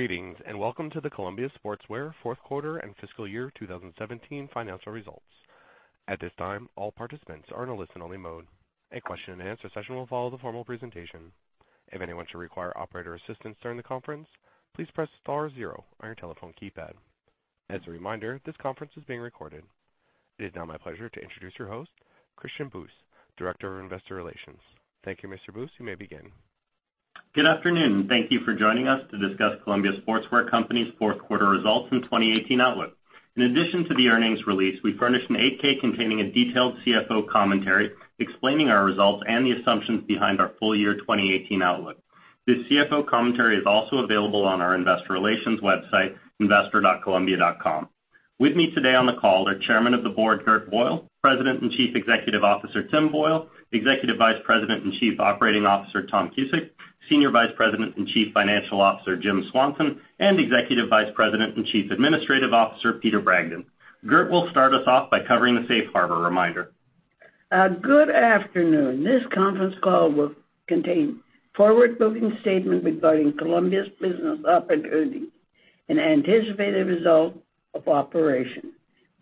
Greetings, welcome to the Columbia Sportswear Company fourth quarter and fiscal year 2017 financial results. At this time, all participants are in a listen-only mode. A question and answer session will follow the formal presentation. If anyone should require operator assistance during the conference, please press star zero on your telephone keypad. As a reminder, this conference is being recorded. It is now my pleasure to introduce your host, Christian Buss, Director of Investor Relations. Thank you, Mr. Buss. You may begin. Good afternoon. Thank you for joining us to discuss Columbia Sportswear Company's fourth quarter results and 2018 outlook. In addition to the earnings release, we furnished an 8-K containing a detailed CFO commentary explaining our results and the assumptions behind our full year 2018 outlook. This CFO commentary is also available on our investor relations website, investor.columbia.com. With me today on the call are Chairman of the Board, Gert Boyle, President and Chief Executive Officer, Tim Boyle, Executive Vice President and Chief Operating Officer, Tom Cusick, Senior Vice President and Chief Financial Officer, Jim Swanson, and Executive Vice President and Chief Administrative Officer, Peter Bragdon. Gert will start us off by covering the safe harbor reminder. Good afternoon. This conference call will contain forward-looking statements regarding Columbia's business opportunities and anticipated results of operation.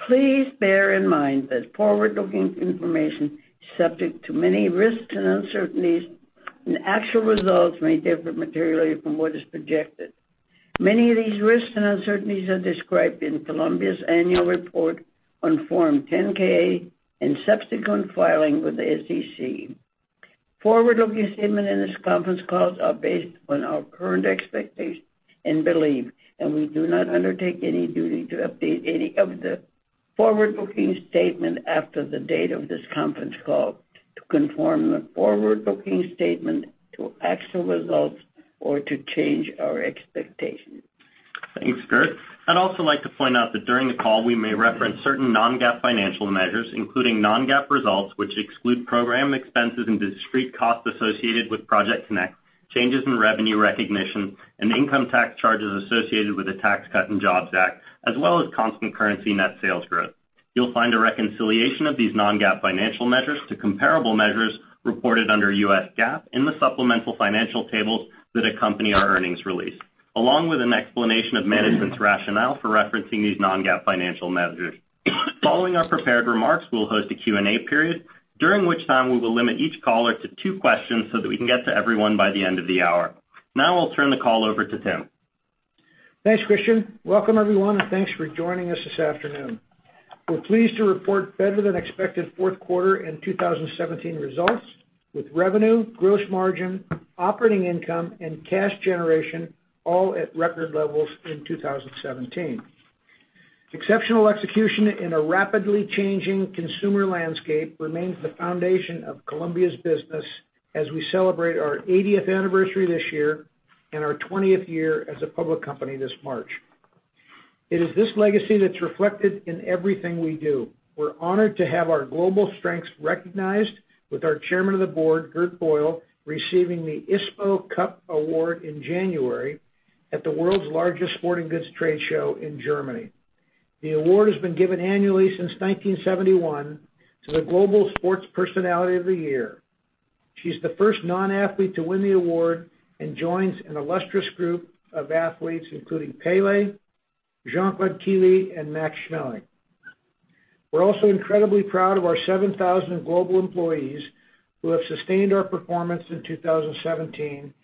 Please bear in mind that forward-looking information is subject to many risks and uncertainties, and actual results may differ materially from what is projected. Many of these risks and uncertainties are described in Columbia's annual report on Form 10-K and subsequent filings with the SEC. Forward-looking statements in this conference call are based on our current expectations and beliefs. We do not undertake any duty to update any of the forward-looking statements after the date of this conference call to conform the forward-looking statements to actual results or to change our expectations. Thanks, Gert. I'd also like to point out that during the call, we may reference certain non-GAAP financial measures, including non-GAAP results, which exclude program expenses and discrete costs associated with Project CONNECT, changes in revenue recognition, and income tax charges associated with the Tax Cuts and Jobs Act, as well as constant currency net sales growth. You'll find a reconciliation of these non-GAAP financial measures to comparable measures reported under US GAAP in the supplemental financial tables that accompany our earnings release, along with an explanation of management's rationale for referencing these non-GAAP financial measures. Following our prepared remarks, we'll host a Q&A period, during which time we will limit each caller to two questions so that we can get to everyone by the end of the hour. I'll turn the call over to Tim. Thanks, Christian. Welcome, everyone, and thanks for joining us this afternoon. We're pleased to report better-than-expected fourth quarter and 2017 results, with revenue, gross margin, operating income and cash generation all at record levels in 2017. Exceptional execution in a rapidly changing consumer landscape remains the foundation of Columbia's business as we celebrate our 80th anniversary this year and our 20th year as a public company this March. It is this legacy that's reflected in everything we do. We're honored to have our global strengths recognized with our Chairman of the Board, Gert Boyle, receiving the ISPO Award in January at the world's largest sporting goods trade show in Germany. The award has been given annually since 1971 to the global sports personality of the year. She's the first non-athlete to win the award and joins an illustrious group of athletes including Pelé, Jean-Claude Killy, and Max Schmeling. We're also incredibly proud of our 7,000 global employees who have sustained our performance in 2017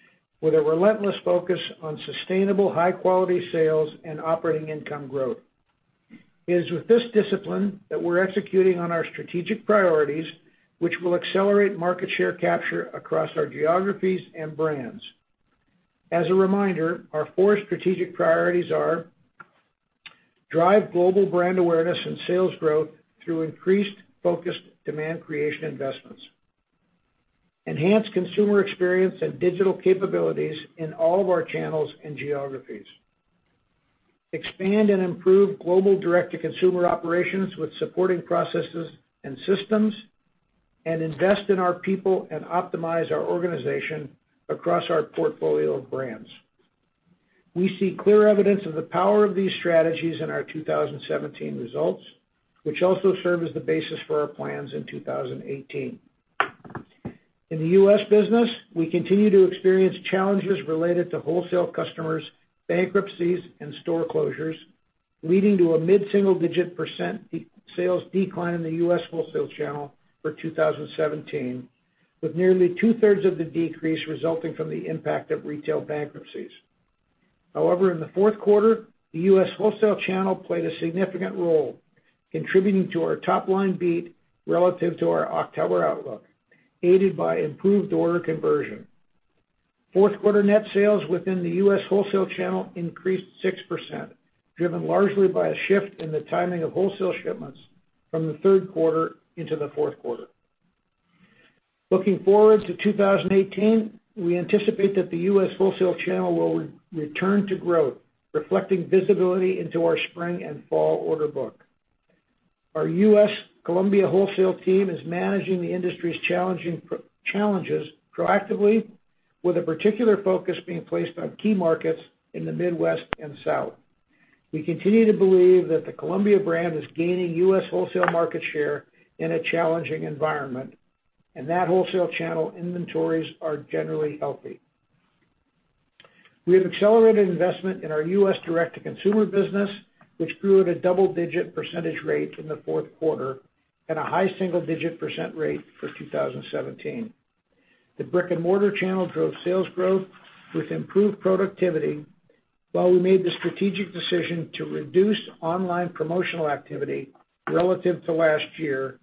with a relentless focus on sustainable, high-quality sales and operating income growth. It is with this discipline that we're executing on our strategic priorities, which will accelerate market share capture across our geographies and brands. As a reminder, our four strategic priorities are: drive global brand awareness and sales growth through increased, focused demand creation investments. Enhance consumer experience and digital capabilities in all of our channels and geographies. Expand and improve global direct-to-consumer operations with supporting processes and systems. Invest in our people and optimize our organization across our portfolio of brands. We see clear evidence of the power of these strategies in our 2017 results, which also serve as the basis for our plans in 2018. In the U.S. business, we continue to experience challenges related to wholesale customers, bankruptcies, and store closures, leading to a mid-single-digit % sales decline in the U.S. wholesale channel for 2017, with nearly two-thirds of the decrease resulting from the impact of retail bankruptcies. However, in the fourth quarter, the U.S. wholesale channel played a significant role, contributing to our top-line beat relative to our October outlook, aided by improved order conversion. Fourth quarter net sales within the U.S. wholesale channel increased 6%, driven largely by a shift in the timing of wholesale shipments from the third quarter into the fourth quarter. Looking forward to 2018, we anticipate that the U.S. wholesale channel will return to growth, reflecting visibility into our spring and fall order book. Our U.S. Columbia wholesale team is managing the industry's challenges proactively, with a particular focus being placed on key markets in the Midwest and South. We continue to believe that the Columbia brand is gaining U.S. wholesale market share in a challenging environment, and that wholesale channel inventories are generally healthy. We have accelerated investment in our U.S. direct-to-consumer business, which grew at a double-digit % rate in the fourth quarter and a high single-digit % rate for 2017. The brick-and-mortar channel drove sales growth with improved productivity, while we made the strategic decision to reduce online promotional activity relative to last year,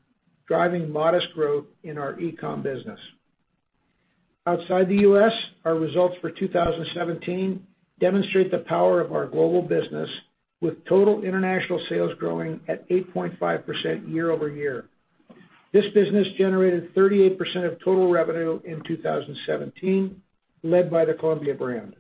driving modest growth in our e-com business. Outside the U.S., our results for 2017 demonstrate the power of our global business, with total international sales growing at 8.5% year-over-year. This business generated 38% of total revenue in 2017, led by the Columbia brand.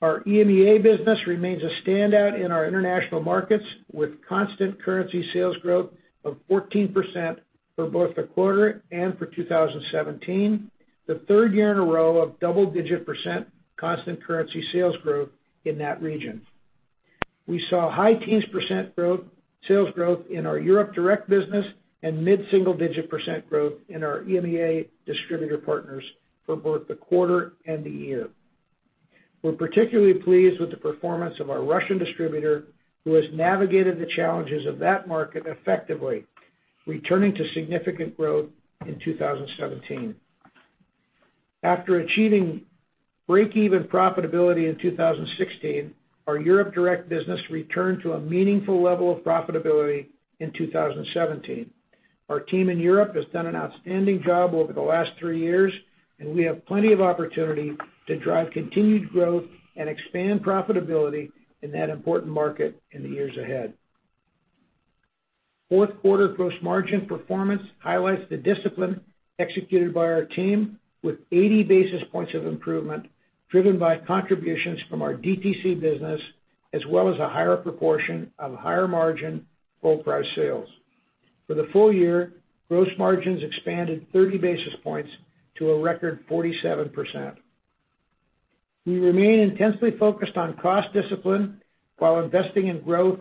Our EMEA business remains a standout in our international markets, with constant currency sales growth of 14% for both the quarter and for 2017, the third year in a row of double-digit percent constant currency sales growth in that region. We saw high teens percent sales growth in our Europe direct business and mid-single-digit percent growth in our EMEA distributor partners for both the quarter and the year. We're particularly pleased with the performance of our Russian distributor, who has navigated the challenges of that market effectively, returning to significant growth in 2017. After achieving break-even profitability in 2016, our Europe direct business returned to a meaningful level of profitability in 2017. Our team in Europe has done an outstanding job over the last three years, and we have plenty of opportunity to drive continued growth and expand profitability in that important market in the years ahead. Fourth quarter gross margin performance highlights the discipline executed by our team, with 80 basis points of improvement driven by contributions from our DTC business, as well as a higher proportion of higher-margin full-price sales. For the full year, gross margins expanded 30 basis points to a record 47%. We remain intensely focused on cost discipline while investing in growth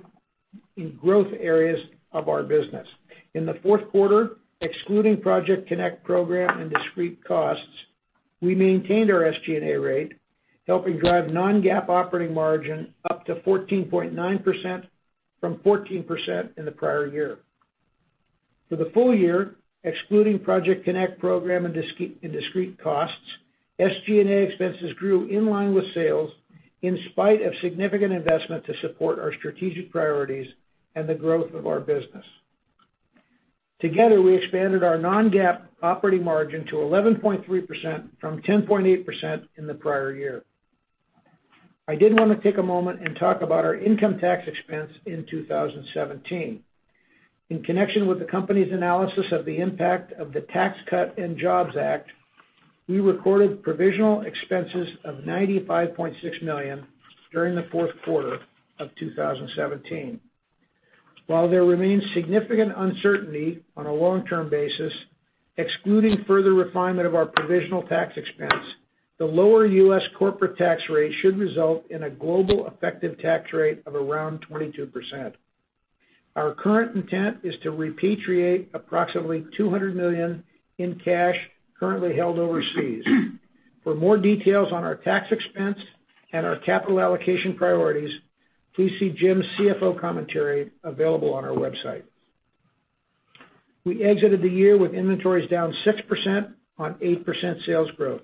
areas of our business. In the fourth quarter, excluding Project CONNECT program and discrete costs, we maintained our SG&A rate, helping drive non-GAAP operating margin up to 14.9% from 14% in the prior year. For the full year, excluding Project CONNECT program and discrete costs, SG&A expenses grew in line with sales in spite of significant investment to support our strategic priorities and the growth of our business. Together, we expanded our non-GAAP operating margin to 11.3% from 10.8% in the prior year. I did want to take a moment and talk about our income tax expense in 2017. In connection with the company's analysis of the impact of the Tax Cuts and Jobs Act, we recorded provisional expenses of $95.6 million during the fourth quarter of 2017. While there remains significant uncertainty on a long-term basis, excluding further refinement of our provisional tax expense, the lower U.S. corporate tax rate should result in a global effective tax rate of around 22%. Our current intent is to repatriate approximately $200 million in cash currently held overseas. For more details on our tax expense and our capital allocation priorities, please see Jim's CFO commentary available on our website. We exited the year with inventories down 6% on 8% sales growth.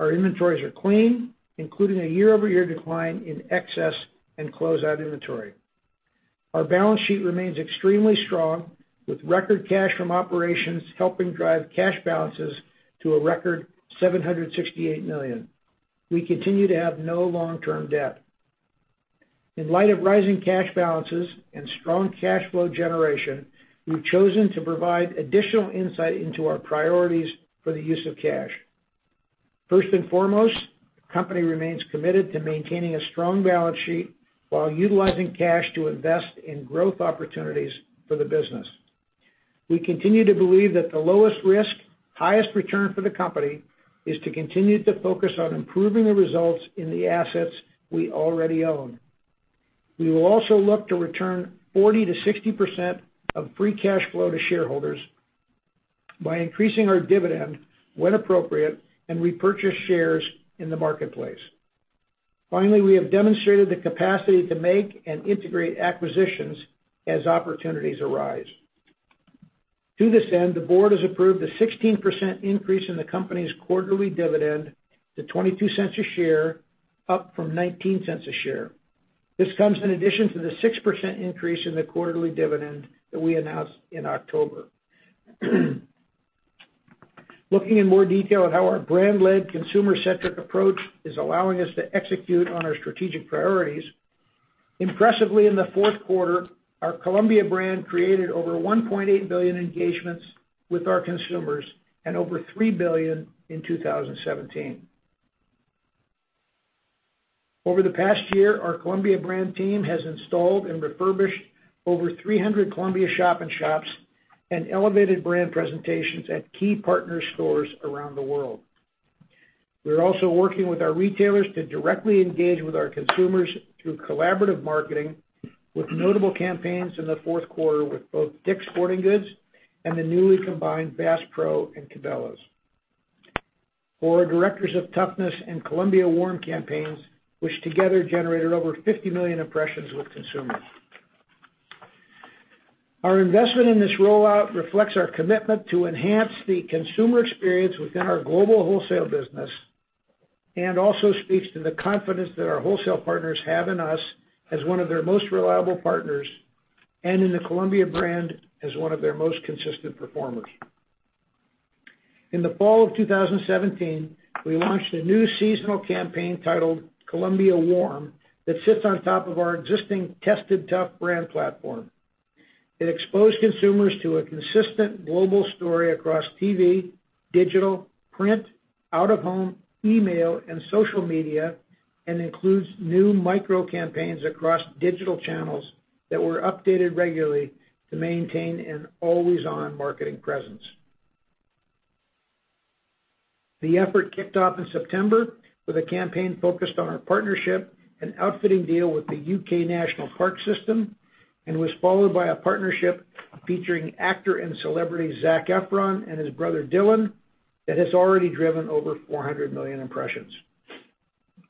Our inventories are clean, including a year-over-year decline in excess and closeout inventory. Our balance sheet remains extremely strong, with record cash from operations helping drive cash balances to a record $768 million. We continue to have no long-term debt. In light of rising cash balances and strong cash flow generation, we've chosen to provide additional insight into our priorities for the use of cash. First and foremost, the company remains committed to maintaining a strong balance sheet while utilizing cash to invest in growth opportunities for the business. We continue to believe that the lowest risk, highest return for the company is to continue to focus on improving the results in the assets we already own. We will also look to return 40%-60% of free cash flow to shareholders by increasing our dividend when appropriate and repurchase shares in the marketplace. Finally, we have demonstrated the capacity to make and integrate acquisitions as opportunities arise. To this end, the board has approved a 16% increase in the company's quarterly dividend to $0.22 a share, up from $0.19 a share. This comes in addition to the 6% increase in the quarterly dividend that we announced in October. Looking in more detail at how our brand-led, consumer-centric approach is allowing us to execute on our strategic priorities, impressively in the fourth quarter, our Columbia brand created over 1.8 billion engagements with our consumers and over 3 billion in 2017. Over the past year, our Columbia brand team has installed and refurbished over 300 Columbia shop-in-shops and elevated brand presentations at key partner stores around the world. We're also working with our retailers to directly engage with our consumers through collaborative marketing, with notable campaigns in the fourth quarter with both DICK'S Sporting Goods and the newly combined Bass Pro Shops and Cabela's. For our Directors of Toughness and Columbia Warm campaigns, which together generated over 50 million impressions with consumers. Our investment in this rollout reflects our commitment to enhance the consumer experience within our global wholesale business, and also speaks to the confidence that our wholesale partners have in us as one of their most reliable partners, and in the Columbia brand as one of their most consistent performers. In the fall of 2017, we launched a new seasonal campaign titled Columbia Warm, that sits on top of our existing Tested Tough brand platform. It exposed consumers to a consistent global story across TV, digital, print, out of home, email, and social media, and includes new micro campaigns across digital channels that were updated regularly to maintain an always-on marketing presence. The effort kicked off in September with a campaign focused on our partnership and outfitting deal with the U.K. National Park system, and was followed by a partnership featuring actor and celebrity Zac Efron and his brother Dylan, that has already driven over 400 million impressions.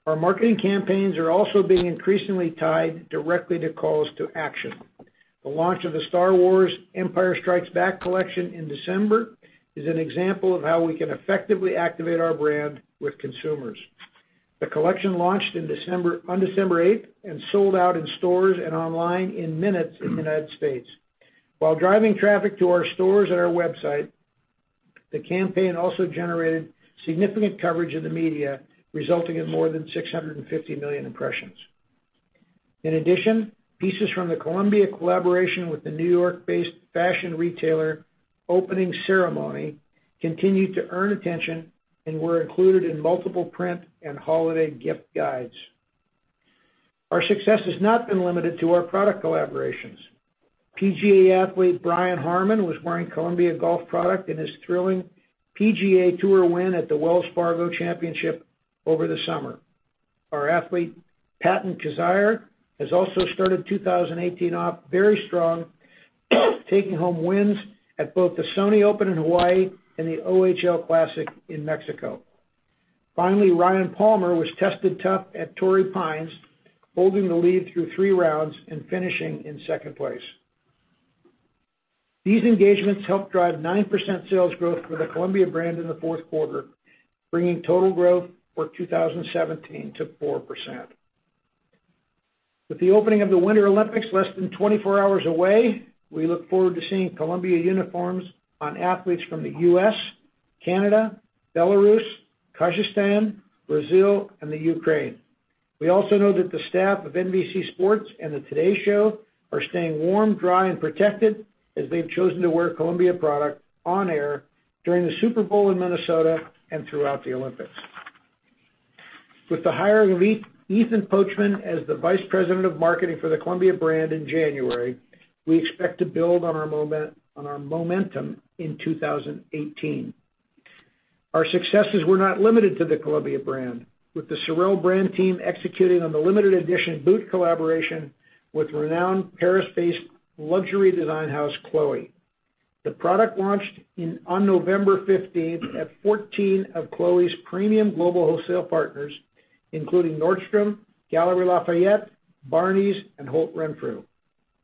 Our marketing campaigns are also being increasingly tied directly to calls to action. The launch of the Star Wars: The Empire Strikes Back collection in December is an example of how we can effectively activate our brand with consumers. The collection launched on December 8th and sold out in stores and online in minutes in the United States. While driving traffic to our stores and our website, the campaign also generated significant coverage in the media, resulting in more than 650 million impressions. In addition, pieces from the Columbia collaboration with the New York-based fashion retailer Opening Ceremony continued to earn attention and were included in multiple print and holiday gift guides. Our success has not been limited to our product collaborations. PGA athlete Brian Harman was wearing Columbia Golf product in his thrilling PGA TOUR win at the Wells Fargo Championship over the summer. Our athlete, Patton Kizzire, has also started 2018 off very strong, taking home wins at both the Sony Open in Hawaii and the OHL Classic at Mayakoba. Finally, Ryan Palmer was Tested Tough at Torrey Pines, holding the lead through three rounds and finishing in second place. These engagements helped drive 9% sales growth for the Columbia brand in the fourth quarter, bringing total growth for 2017 to 4%. With the opening of the Winter Olympics less than 24 hours away, we look forward to seeing Columbia uniforms on athletes from the U.S., Canada, Belarus, Kazakhstan, Brazil, and Ukraine. We also know that the staff of NBC Sports and Today are staying warm, dry, and protected as they've chosen to wear Columbia product on air during the Super Bowl in Minnesota and throughout the Olympics. With the hiring of Ethan Pochman as the Vice President of Marketing for the Columbia brand in January, we expect to build on our momentum in 2018. Our successes were not limited to the Columbia brand, with the SOREL brand team executing on the limited edition boot collaboration with renowned Paris-based luxury design house Chloé. The product launched on November 15th at 14 of Chloé's premium global wholesale partners, including Nordstrom, Galeries Lafayette, Barneys, and Holt Renfrew.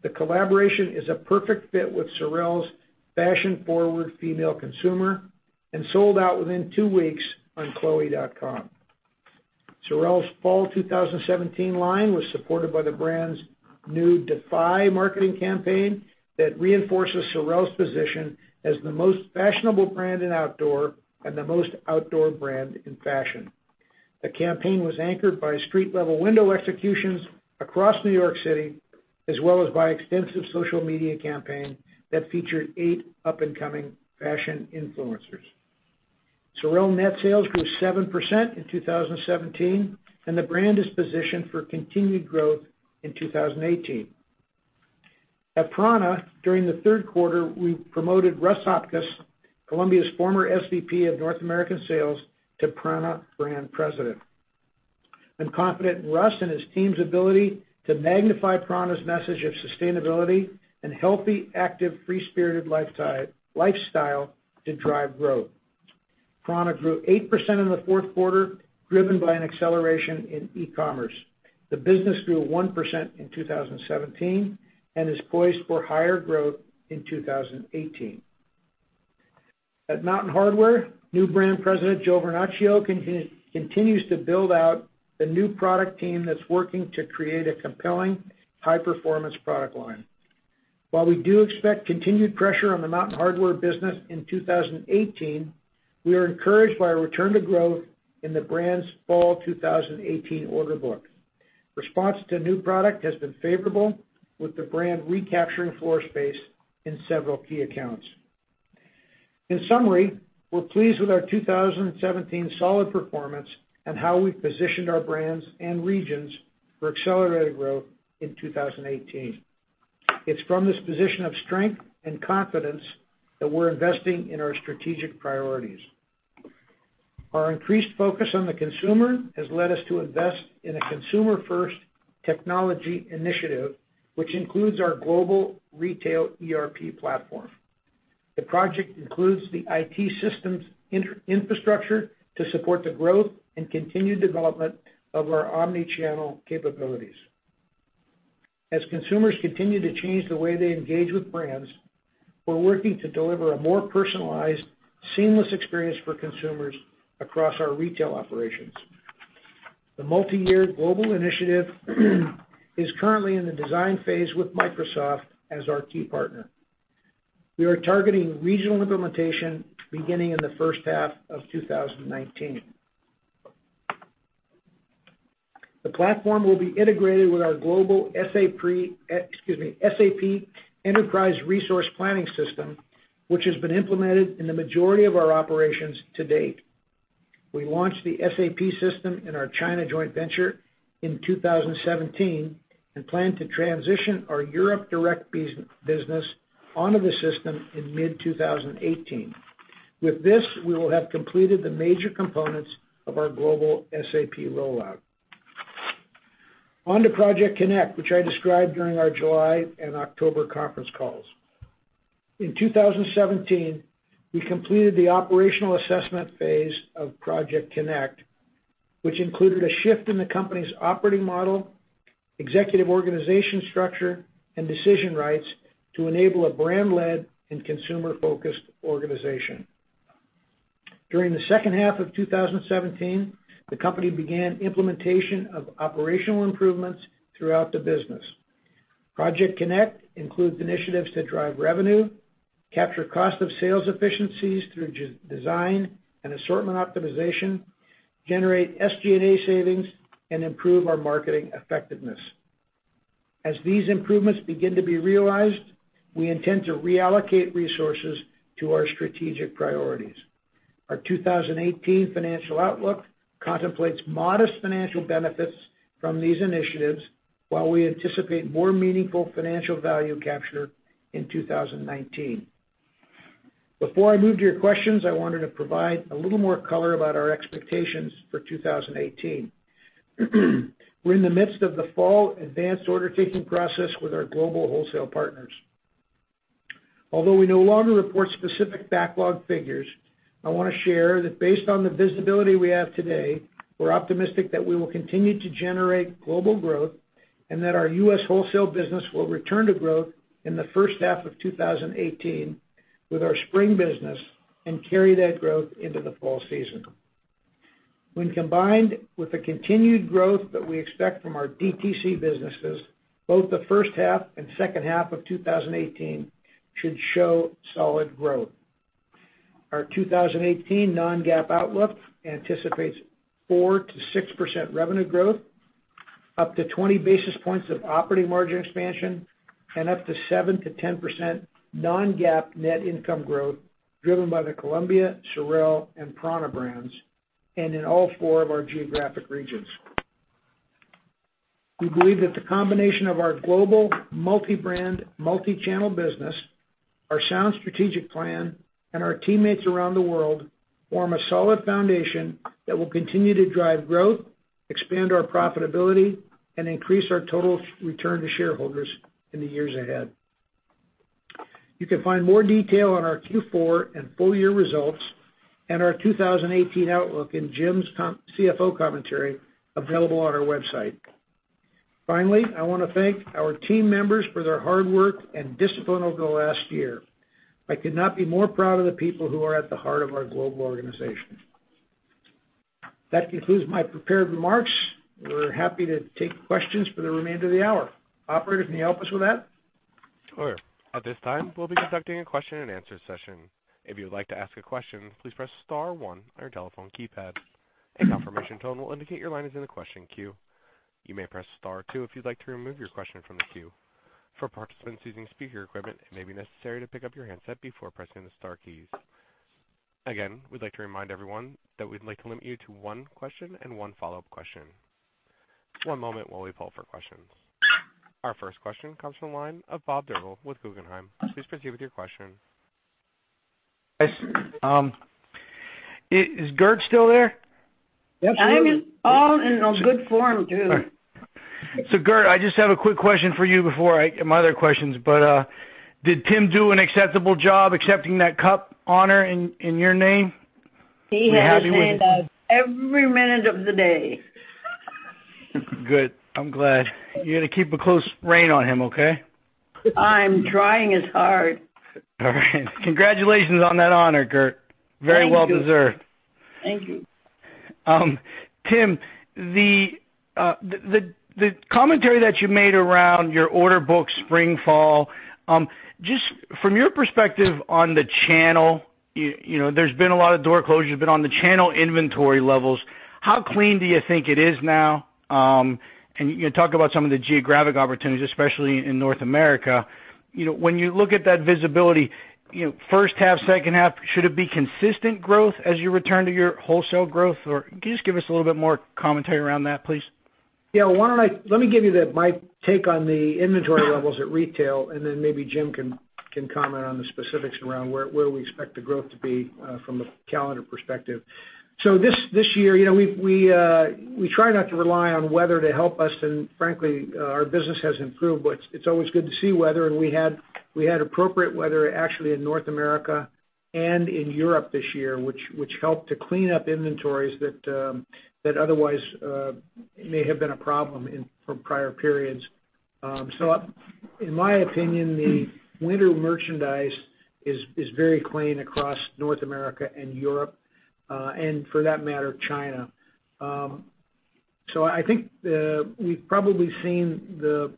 The collaboration is a perfect fit with SOREL's fashion-forward female consumer and sold out within two weeks on chloe.com. SOREL's fall 2017 line was supported by the brand's new Defy marketing campaign that reinforces SOREL's position as the most fashionable brand in outdoor and the most outdoor brand in fashion. The campaign was anchored by street-level window executions across New York City, as well as by an extensive social media campaign that featured eight up-and-coming fashion influencers. SOREL net sales grew 7% in 2017, and the brand is positioned for continued growth in 2018. At prAna, during the third quarter, we promoted Russ Hopcus, Columbia's former SVP of North American sales, to prAna Brand President. I'm confident in Russ and his team's ability to magnify prAna's message of sustainability and healthy, active, free-spirited lifestyle to drive growth. prAna grew 8% in the fourth quarter, driven by an acceleration in e-commerce. The business grew 1% in 2017 and is poised for higher growth in 2018. At Mountain Hardwear, new Brand President Joe Vernachio continues to build out the new product team that's working to create a compelling high-performance product line. While we do expect continued pressure on the Mountain Hardwear business in 2018, we are encouraged by a return to growth in the brand's fall 2018 order book. Response to new product has been favorable, with the brand recapturing floor space in several key accounts. In summary, we're pleased with our 2017 solid performance and how we've positioned our brands and regions for accelerated growth in 2018. It's from this position of strength and confidence that we're investing in our strategic priorities. Our increased focus on the consumer has led us to invest in a consumer-first technology initiative, which includes our global retail ERP platform. The project includes the IT systems infrastructure to support the growth and continued development of our omni-channel capabilities. As consumers continue to change the way they engage with brands, we're working to deliver a more personalized, seamless experience for consumers across our retail operations. The multi-year global initiative is currently in the design phase with Microsoft as our key partner. We are targeting regional implementation beginning in the first half of 2019. The platform will be integrated with our global SAP Enterprise Resource Planning system, which has been implemented in the majority of our operations to date. We launched the SAP system in our China joint venture in 2017 and plan to transition our Europe direct business onto the system in mid-2018. With this, we will have completed the major components of our global SAP rollout. On to Project CONNECT, which I described during our July and October conference calls. In 2017, we completed the operational assessment phase of Project CONNECT, which included a shift in the company's operating model, executive organization structure, and decision rights to enable a brand-led and consumer-focused organization. During the second half of 2017, the company began implementation of operational improvements throughout the business. Project CONNECT includes initiatives to drive revenue, capture cost of sales efficiencies through design and assortment optimization, generate SG&A savings, and improve our marketing effectiveness. As these improvements begin to be realized, we intend to reallocate resources to our strategic priorities. Our 2018 financial outlook contemplates modest financial benefits from these initiatives, while we anticipate more meaningful financial value capture in 2019. Before I move to your questions, I wanted to provide a little more color about our expectations for 2018. We're in the midst of the fall advanced order taking process with our global wholesale partners. Although we no longer report specific backlog figures, I want to share that based on the visibility we have today, we're optimistic that we will continue to generate global growth and that our U.S. wholesale business will return to growth in the first half of 2018 with our spring business and carry that growth into the fall season. When combined with the continued growth that we expect from our DTC businesses, both the first half and second half of 2018 should show solid growth. Our 2018 non-GAAP outlook anticipates 4%-6% revenue growth, up to 20 basis points of operating margin expansion, and up to 7%-10% non-GAAP net income growth driven by the Columbia, SOREL, and prAna brands, and in all four of our geographic regions. We believe that the combination of our global multi-brand, multi-channel business, our sound strategic plan, and our teammates around the world form a solid foundation that will continue to drive growth, expand our profitability, and increase our total return to shareholders in the years ahead. You can find more detail on our Q4 and full-year results and our 2018 outlook in Jim's CFO commentary available on our website. Finally, I want to thank our team members for their hard work and discipline over the last year. I could not be more proud of the people who are at the heart of our global organization. That concludes my prepared remarks. We're happy to take questions for the remainder of the hour. Operator, can you help us with that? Sure. At this time, we'll be conducting a question and answer session. If you would like to ask a question, please press star one on your telephone keypad. A confirmation tone will indicate your line is in the question queue. You may press star two if you'd like to remove your question from the queue. For participants using speaker equipment, it may be necessary to pick up your handset before pressing the star keys. Again, we'd like to remind everyone that we'd like to limit you to one question and one follow-up question. One moment while we poll for questions. Our first question comes from the line of Bob Drbul with Guggenheim. Please proceed with your question. Yes. Is Gert still there? Absolutely. I am all in a good form, too. Gert, I just have a quick question for you before I get my other questions, but did Tim do an acceptable job accepting that cup honor in your name? Were you happy with it? He has it every minute of the day. Good. I'm glad. You gotta keep a close rein on him, okay? I'm trying as hard. All right. Congratulations on that honor, Gert. Thank you. Very well deserved. Thank you. Tim, the commentary that you made around your order book spring, fall, just from your perspective on the channel, there's been a lot of door closures, but on the channel inventory levels, how clean do you think it is now? You talked about some of the geographic opportunities, especially in North America. When you look at that visibility first half, second half, should it be consistent growth as you return to your wholesale growth? Can you just give us a little bit more commentary around that, please? Yeah. Let me give you my take on the inventory levels at retail, then maybe Jim can comment on the specifics around where we expect the growth to be from the calendar perspective. This year, we try not to rely on weather to help us, and frankly, our business has improved. It's always good to see weather, and we had appropriate weather actually in North America and in Europe this year, which helped to clean up inventories that otherwise may have been a problem from prior periods. In my opinion, the winter merchandise is very clean across North America and Europe, for that matter, China. I think we've probably seen the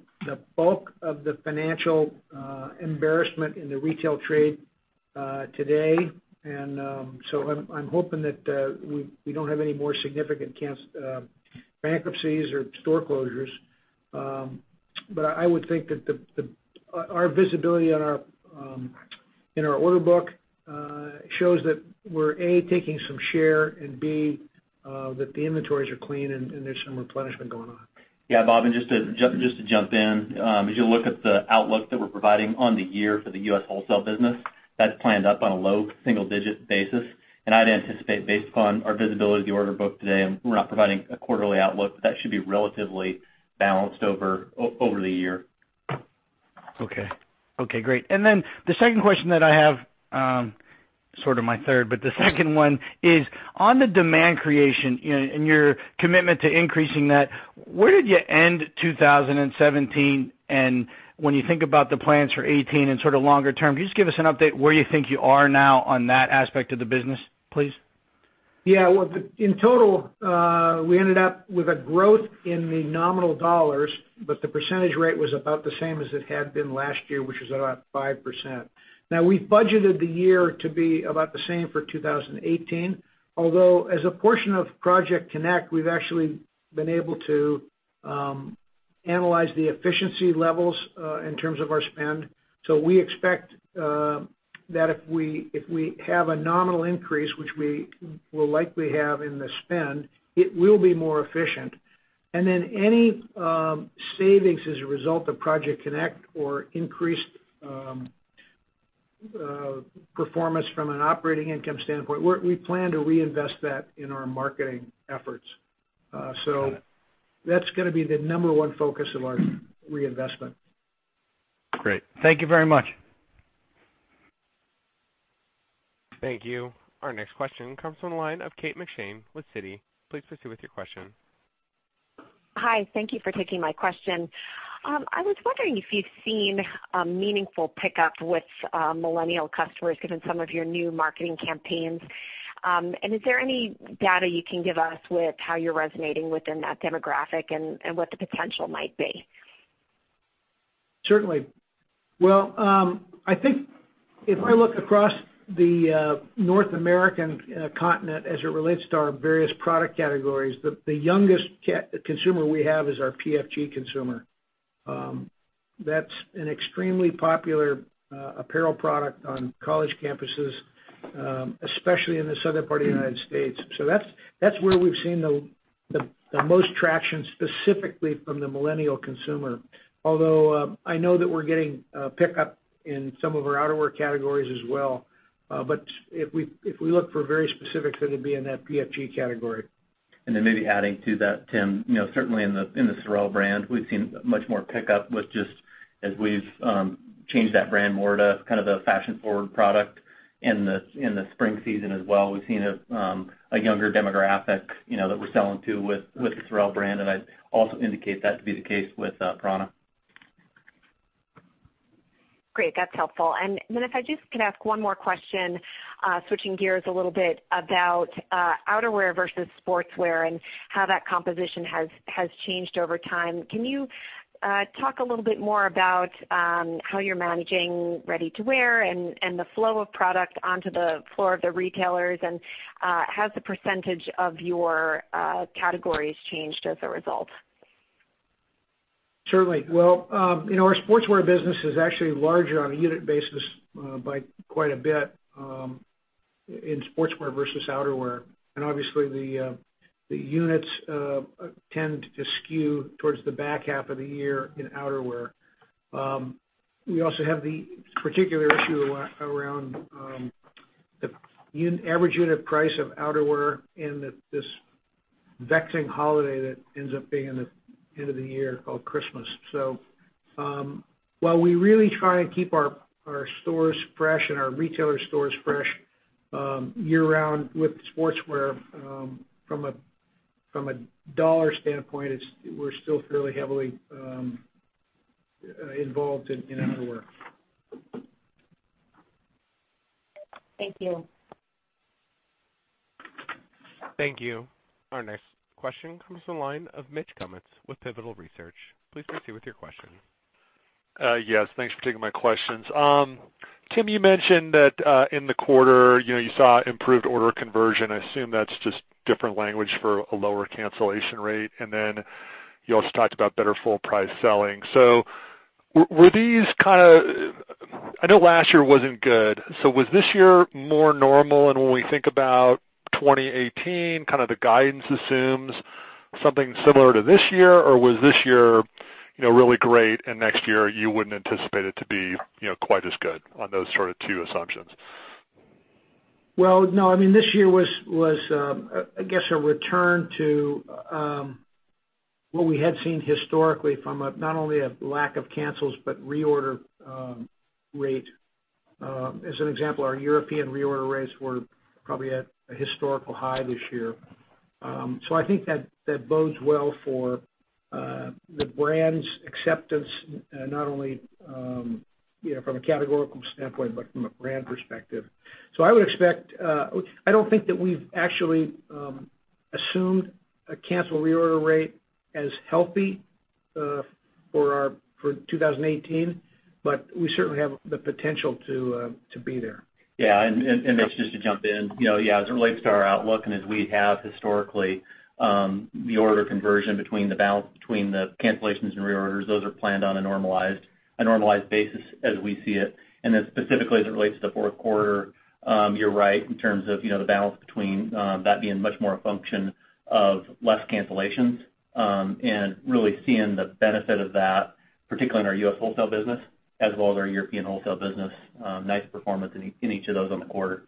bulk of the financial embarrassment in the retail trade today, I'm hoping that we don't have any more significant bankruptcies or store closures. I would think that our visibility in our order book shows that we're, A, taking some share, and B, that the inventories are clean and there's some replenishment going on. Yeah, Bob, just to jump in. As you look at the outlook that we're providing on the year for the U.S. wholesale business, that's planned up on a low single-digit basis. I'd anticipate based upon our visibility of the order book today, and we're not providing a quarterly outlook, that should be relatively balanced over the year. Okay. Great. Then the second question that I have, sort of my third, but the second one is on the demand creation and your commitment to increasing that, where did you end 2017, and when you think about the plans for 2018 and sort of longer term, can you just give us an update where you think you are now on that aspect of the business, please? Yeah. Well, in total, we ended up with a growth in the nominal dollars, but the percentage rate was about the same as it had been last year, which was about 5%. We've budgeted the year to be about the same for 2018, although as a portion of Project CONNECT, we've actually been able to analyze the efficiency levels in terms of our spend. We expect that if we have a nominal increase, which we will likely have in the spend, it will be more efficient. Then any savings as a result of Project CONNECT or increased performance from an operating income standpoint, we plan to reinvest that in our marketing efforts. That's going to be the number 1 focus of our reinvestment. Great. Thank you very much. Thank you. Our next question comes from the line of Kate McShane with Citi. Please proceed with your question. Hi. Thank you for taking my question. I was wondering if you've seen a meaningful pickup with millennial customers given some of your new marketing campaigns. Is there any data you can give us with how you're resonating within that demographic and what the potential might be? Certainly. I think if I look across the North American continent as it relates to our various product categories, the youngest consumer we have is our PFG consumer. That's an extremely popular apparel product on college campuses, especially in the southern part of the United States. That's where we've seen the most traction, specifically from the millennial consumer. Although, I know that we're getting pickup in some of our outerwear categories as well. If we look for very specifics, it'd be in that PFG category. maybe adding to that, Tim, certainly in the SOREL brand, we've seen much more pickup with just as we've changed that brand more to kind of the fashion forward product in the spring season as well. We've seen a younger demographic that we're selling to with the SOREL brand, and I'd also indicate that to be the case with prAna. Great. That's helpful. If I just can ask one more question, switching gears a little bit about outerwear versus sportswear and how that composition has changed over time. Can you talk a little bit more about how you're managing ready-to-wear and the flow of product onto the floor of the retailers, and has the percentage of your categories changed as a result? Certainly. Well, our sportswear business is actually larger on a unit basis by quite a bit in sportswear versus outerwear. Obviously, the units tend to skew towards the back half of the year in outerwear. We also have the particular issue around the average unit price of outerwear and this vexing holiday that ends up being in the end of the year called Christmas. While we really try and keep our stores fresh and our retailer stores fresh year-round with sportswear from a dollar standpoint, we're still fairly heavily involved in outerwear. Thank you. Thank you. Our next question comes from the line of Mitch Kummetz with Pivotal Research. Please proceed with your question. Yes, thanks for taking my questions. Tim, you mentioned that in the quarter, you saw improved order conversion. I assume that's just different language for a lower cancellation rate. You also talked about better full price selling. I know last year wasn't good, was this year more normal? When we think about 2018, the guidance assumes something similar to this year? Was this year really great and next year you wouldn't anticipate it to be quite as good on those two assumptions? Well, no, this year was, I guess, a return to what we had seen historically from not only a lack of cancels, but reorder rate. As an example, our European reorder rates were probably at a historical high this year. I think that bodes well for the brand's acceptance, not only from a categorical standpoint, but from a brand perspective. I don't think that we've actually assumed a cancel-reorder rate as healthy for 2018, but we certainly have the potential to be there. Yeah. Mitch, just to jump in. As it relates to our outlook, and as we have historically, the order conversion between the balance, between the cancellations and reorders, those are planned on a normalized basis as we see it. Specifically, as it relates to the fourth quarter, you're right in terms of the balance between that being much more a function of less cancellations, and really seeing the benefit of that, particularly in our U.S. wholesale business as well as our European wholesale business. Nice performance in each of those on the quarter.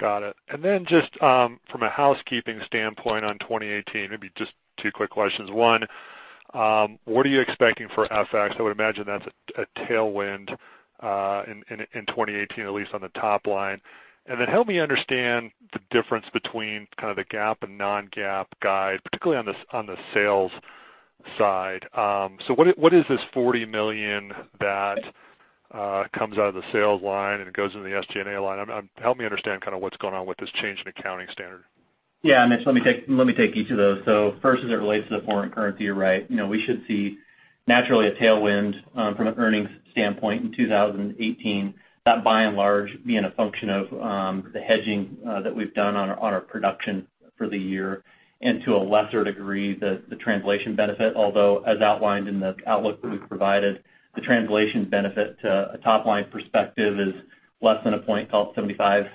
Got it. Just from a housekeeping standpoint on 2018, maybe just two quick questions. One, what are you expecting for FX? I would imagine that's a tailwind in 2018, at least on the top line. Help me understand the difference between kind of the GAAP and non-GAAP guide, particularly on the sales side. What is this $40 million that comes out of the sales line and it goes into the SG&A line? Help me understand what's going on with this change in accounting standard. Yeah, Mitch, let me take each of those. First, as it relates to the foreign currency, you're right. We should see naturally a tailwind from an earnings standpoint in 2018. That by and large being a function of the hedging that we've done on our production for the year. To a lesser degree, the translation benefit, although as outlined in the outlook that we've provided, the translation benefit to a top-line perspective is less than a point, call it 75,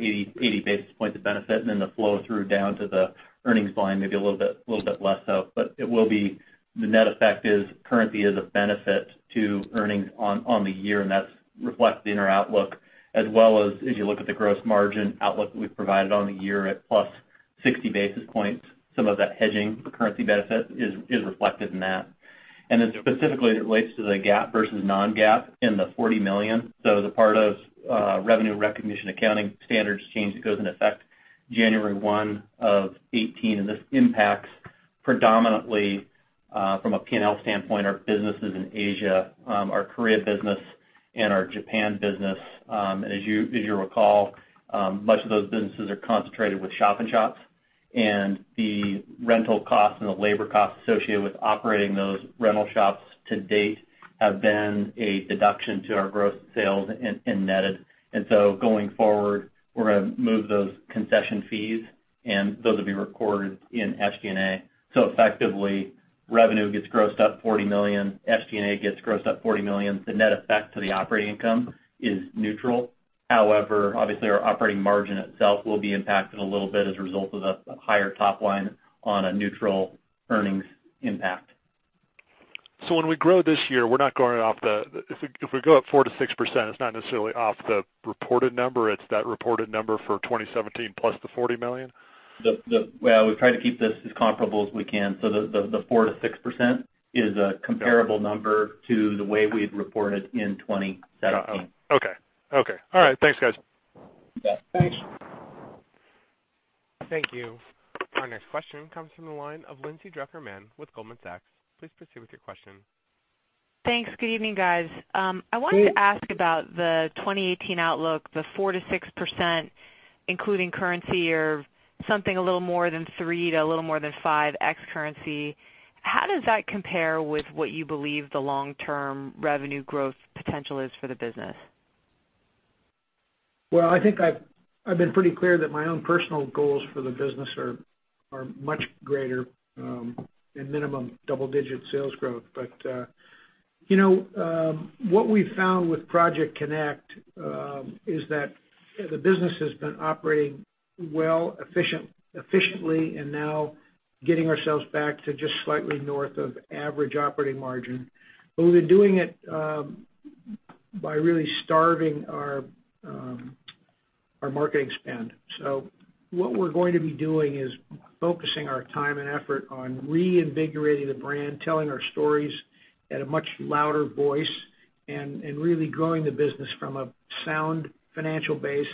80 basis points of benefit. The flow through down to the earnings line, maybe a little bit less so. The net effect is currency is a benefit to earnings on the year, and that's reflected in our outlook as well as you look at the gross margin outlook that we've provided on the year at +60 basis points. Some of that hedging the currency benefit is reflected in that. Specifically, as it relates to the GAAP versus non-GAAP in the $40 million. The part of revenue recognition accounting standards change that goes into effect January 1 of 2018. This impacts predominantly, from a P&L standpoint, our businesses in Asia, our Korea business and our Japan business. As you recall, much of those businesses are concentrated with shop in shops. The rental costs and the labor costs associated with operating those rental shops to date have been a deduction to our gross sales and netted. Going forward, we're going to move those concession fees and those will be recorded in SG&A. Effectively, revenue gets grossed up $40 million, SG&A gets grossed up $40 million. The net effect to the operating income is neutral. However, obviously, our operating margin itself will be impacted a little bit as a result of that higher top line on a neutral earnings impact. When we grow this year, if we go up 4%-6%, it's not necessarily off the reported number, it's that reported number for 2017 plus the $40 million? We've tried to keep this as comparable as we can. The 4%-6% is a comparable number to the way we had reported in 2017. Okay. All right. Thanks, guys. Yeah. Thanks. Thank you. Our next question comes from the line of Lindsay Drucker Mann with Goldman Sachs. Please proceed with your question. Thanks. Good evening, guys. I wanted to ask about the 2018 outlook, the 4%-6%, including currency or something a little more than 3%-5% ex currency. How does that compare with what you believe the long-term revenue growth potential is for the business? Well, I think I've been pretty clear that my own personal goals for the business are much greater, at minimum double-digit sales growth. What we've found with Project CONNECT is that the business has been operating well, efficiently, and now getting ourselves back to just slightly north of average operating margin. We've been doing it by really starving our marketing spend. What we're going to be doing is focusing our time and effort on reinvigorating the brand, telling our stories at a much louder voice, and really growing the business from a sound financial base.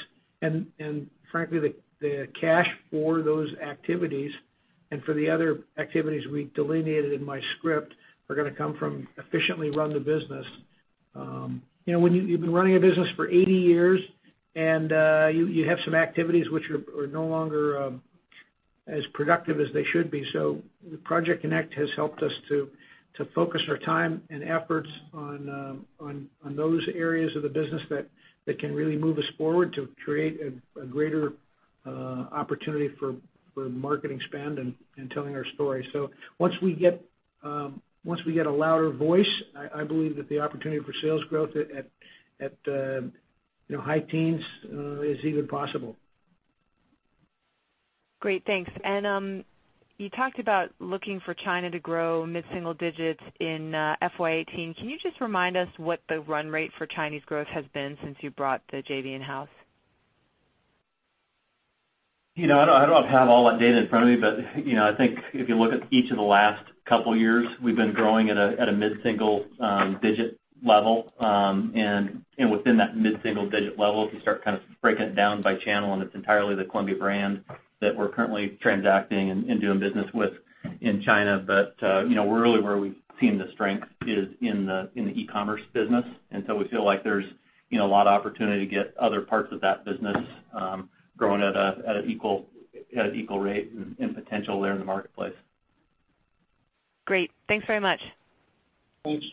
Frankly, the cash for those activities and for the other activities we delineated in my script are going to come from efficiently run the business. When you've been running a business for 80 years and you have some activities which are no longer as productive as they should be. Project CONNECT has helped us to focus our time and efforts on those areas of the business that can really move us forward to create a greater opportunity for marketing spend and telling our story. Once we get a louder voice, I believe that the opportunity for sales growth at high teens is even possible. Great. Thanks. You talked about looking for China to grow mid-single digits in FY 2018. Can you just remind us what the run rate for Chinese growth has been since you brought the JV in-house? I don't have all that data in front of me, but I think if you look at each of the last couple years, we've been growing at a mid-single digit level. Within that mid-single digit level, if you start breaking it down by channel, it's entirely the Columbia brand that we're currently transacting and doing business with in China. Really where we've seen the strength is in the e-commerce business. We feel like there's a lot of opportunity to get other parts of that business growing at an equal rate and potential there in the marketplace. Great. Thanks very much. Thanks.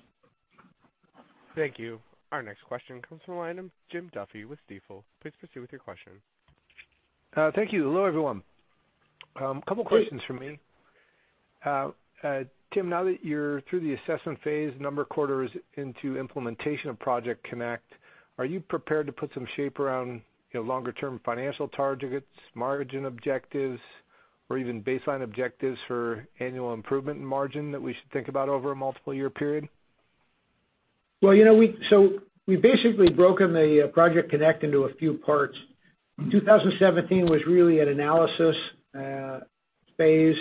Thank you. Our next question comes from the line of Jim Duffy with Stifel. Please proceed with your question. Thank you. Hello, everyone. Couple questions from me. Tim, now that you're through the assessment phase, number of quarters into implementation of Project CONNECT, are you prepared to put some shape around longer term financial targets, margin objectives, or even baseline objectives for annual improvement in margin that we should think about over a multiple year period? We've basically broken the Project CONNECT into a few parts. 2017 was really an analysis phase,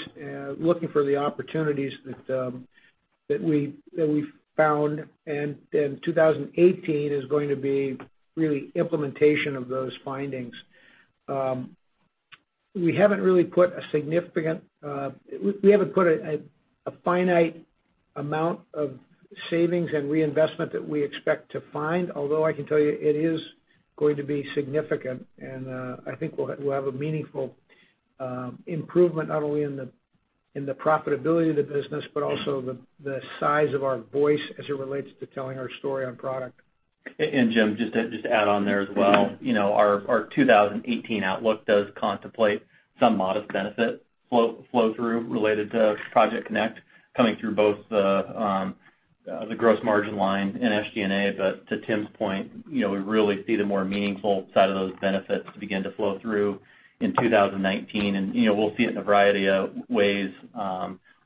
looking for the opportunities that we found. 2018 is going to be really implementation of those findings. We haven't put a finite amount of savings and reinvestment that we expect to find, although I can tell you it is going to be significant, and I think we'll have a meaningful improvement, not only in the profitability of the business, but also the size of our voice as it relates to telling our story on product. Jim, just to add on there as well. Our 2018 outlook does contemplate some modest benefit flow through related to Project CONNECT coming through both the gross margin line and SG&A. To Tim's point, we really see the more meaningful side of those benefits begin to flow through in 2019. We'll see it in a variety of ways,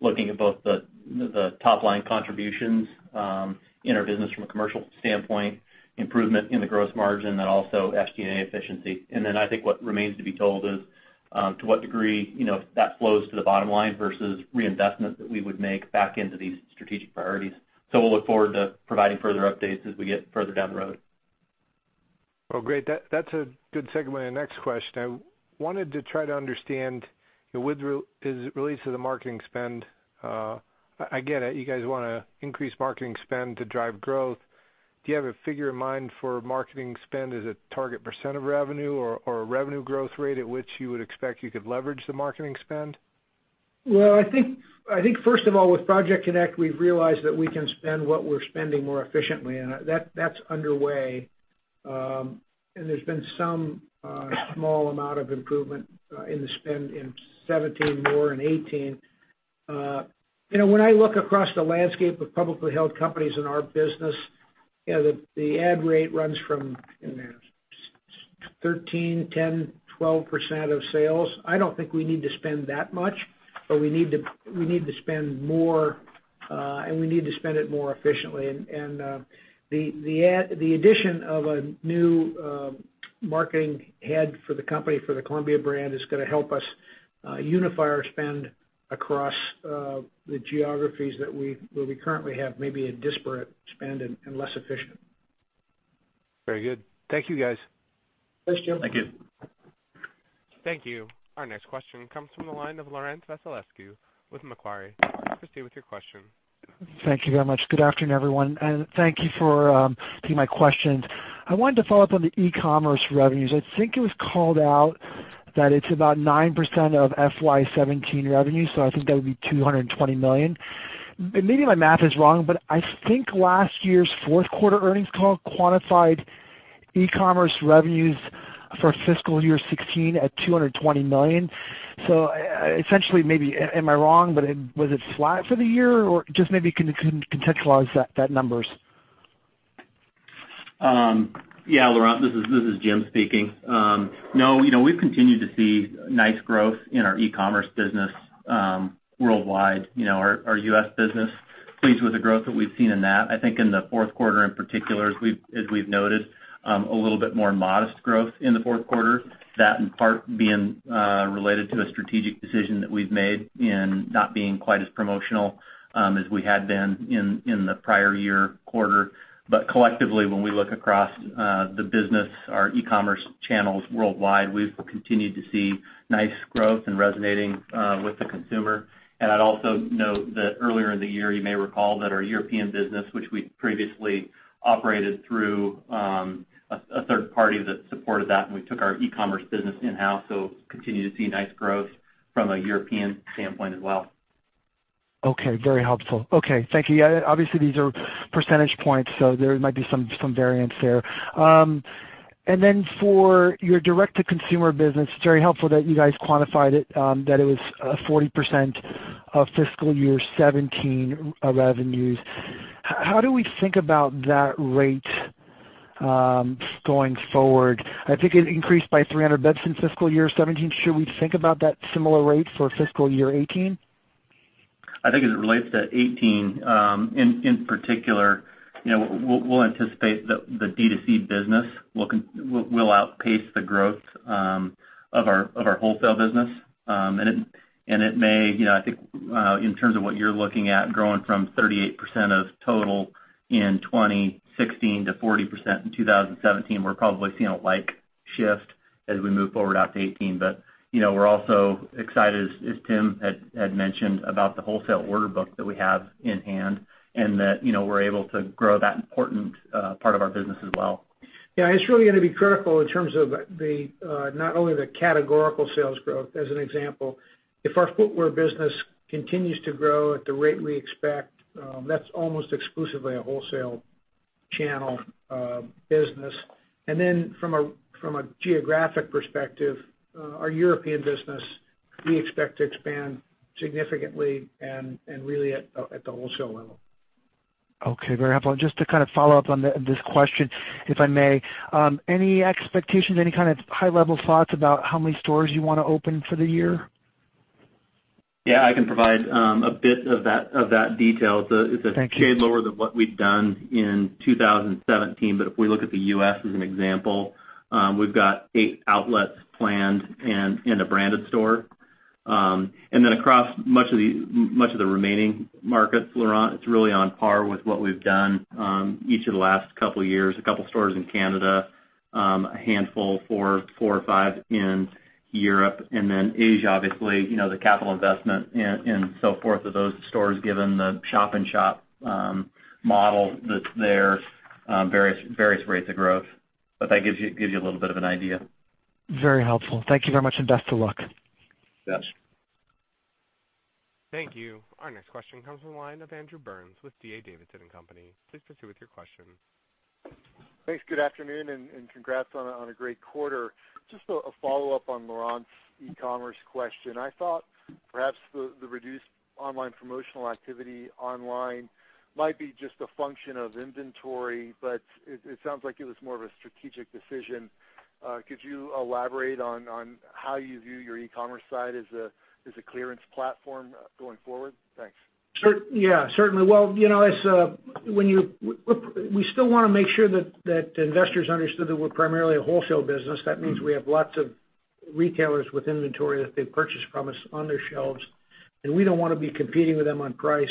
looking at both the top line contributions in our business from a commercial standpoint, improvement in the gross margin, and also SG&A efficiency. I think what remains to be told is to what degree that flows to the bottom line versus reinvestment that we would make back into these strategic priorities. We'll look forward to providing further updates as we get further down the road. Great. That's a good segue to my next question. I wanted to try to understand with release of the marketing spend. I get it, you guys want to increase marketing spend to drive growth. Do you have a figure in mind for marketing spend? Is it target % of revenue or a revenue growth rate at which you would expect you could leverage the marketing spend? I think first of all, with Project CONNECT, we've realized that we can spend what we're spending more efficiently, and that's underway. There's been some small amount of improvement in the spend in 2017, more in 2018. When I look across the landscape of publicly held companies in our business, the ad rate runs from 13%, 10%, 12% of sales. I don't think we need to spend that much, but we need to spend more, and we need to spend it more efficiently. The addition of a new marketing head for the company, for the Columbia brand, is going to help us unify our spend across the geographies where we currently have maybe a disparate spend and less efficient. Very good. Thank you, guys. Thanks, Jim. Thank you. Thank you. Our next question comes from the line of Laurent Vasilescu with Macquarie. Please proceed with your question. Thank you very much. Good afternoon, everyone, and thank you for taking my questions. I wanted to follow up on the e-commerce revenues. I think it was called out that it's about 9% of FY 2017 revenue. I think that would be $220 million. Maybe my math is wrong, I think last year's fourth quarter earnings call quantified e-commerce revenues for fiscal year 2016 at $220 million. Essentially, am I wrong? Was it flat for the year? Just maybe can you contextualize that numbers? Yeah, Laurent. This is Jim speaking. No, we've continued to see nice growth in our e-commerce business worldwide. Our U.S. business, pleased with the growth that we've seen in that. I think in the fourth quarter in particular, as we've noted, a little bit more modest growth in the fourth quarter. That in part being related to a strategic decision that we've made in not being quite as promotional as we had been in the prior year quarter. Collectively, when we look across the business, our e-commerce channels worldwide, we've continued to see nice growth and resonating with the consumer. I'd also note that earlier in the year, you may recall that our European business, which we previously operated through a third party that supported that, and we took our e-commerce business in-house. Continue to see nice growth from a European standpoint as well. Okay, very helpful. Okay, thank you. Obviously, these are percentage points, there might be some variance there. Then for your direct-to-consumer business, it's very helpful that you guys quantified it, that it was 40% of fiscal year 2017 revenues. How do we think about that rate, going forward? I think it increased by 300 basis in fiscal year 2017. Should we think about that similar rate for fiscal year 2018? I think as it relates to 2018, in particular, we'll anticipate that the D2C business will outpace the growth of our wholesale business. It may, I think, in terms of what you're looking at, growing from 38% of total in 2016 to 40% in 2017. We're probably seeing a like shift as we move forward out to 2018. We're also excited, as Tim had mentioned, about the wholesale order book that we have in hand. That we're able to grow that important part of our business as well. Yeah. It's really going to be critical in terms of not only the categorical sales growth. As an example, if our footwear business continues to grow at the rate we expect, that's almost exclusively a wholesale channel business. From a geographic perspective, our European business, we expect to expand significantly and really at the wholesale level. Okay. Very helpful. Just to follow up on this question, if I may. Any expectations, any kind of high level thoughts about how many stores you want to open for the year? Yeah, I can provide a bit of that detail. Thank you. It's a shade lower than what we've done in 2017. If we look at the U.S., as an example, we've got eight outlets planned and a branded store. Across much of the remaining markets, Laurent, it's really on par with what we've done each of the last couple of years. A couple of stores in Canada, a handful, four or five in Europe. Asia, obviously, the capital investment and so forth of those stores, given the shop-in-shop model that's there, various rates of growth. That gives you a little bit of an idea. Very helpful. Thank you very much. Best of luck. Yes. Thank you. Our next question comes from the line of Andrew Burns with D.A. Davidson & Company. Please proceed with your question. Thanks. Good afternoon, and congrats on a great quarter. Just a follow-up on Laurent Vasilescu e-commerce question. I thought perhaps the reduced online promotional activity online might be just a function of inventory, but it sounds like it was more of a strategic decision. Could you elaborate on how you view your e-commerce side as a clearance platform going forward? Thanks. Certainly. We still want to make sure that investors understood that we're primarily a wholesale business. That means we have lots of retailers with inventory that they've purchased from us on their shelves, we don't want to be competing with them on price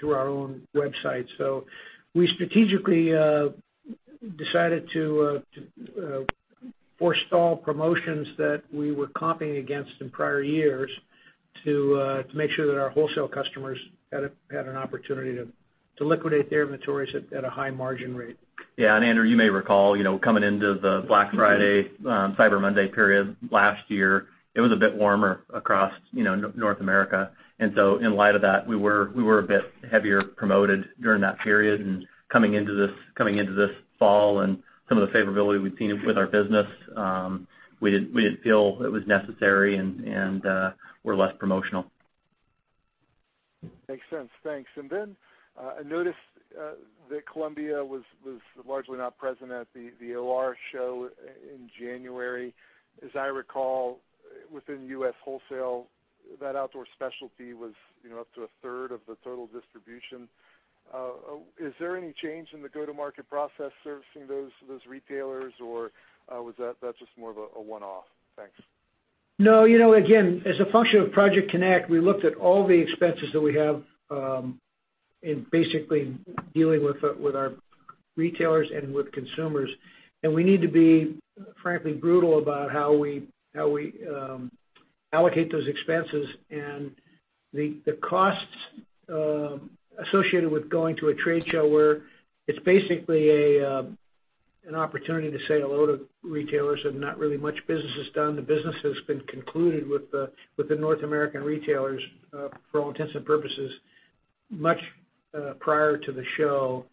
through our own website. We strategically decided to forestall promotions that we were comping against in prior years to make sure that our wholesale customers had an opportunity to liquidate their inventories at a high margin rate. Andrew, you may recall, coming into the Black Friday/Cyber Monday period last year, it was a bit warmer across North America. In light of that, we were a bit heavier promoted during that period. Coming into this fall and some of the favorability we've seen with our business, we didn't feel it was necessary, and we're less promotional. Makes sense. Thanks. I noticed that Columbia was largely not present at the OR Show in January. As I recall, within U.S. wholesale, that outdoor specialty was up to a third of the total distribution. Is there any change in the go-to-market process servicing those retailers, or was that just more of a one-off? Thanks. No. Again, as a function of Project CONNECT, we looked at all the expenses that we have in basically dealing with our retailers and with consumers. We need to be, frankly, brutal about how we allocate those expenses. The costs associated with going to a trade show where it's basically an opportunity to say hello to retailers and not really much business is done. The business has been concluded with the North American retailers, for all intents and purposes, much prior to the show.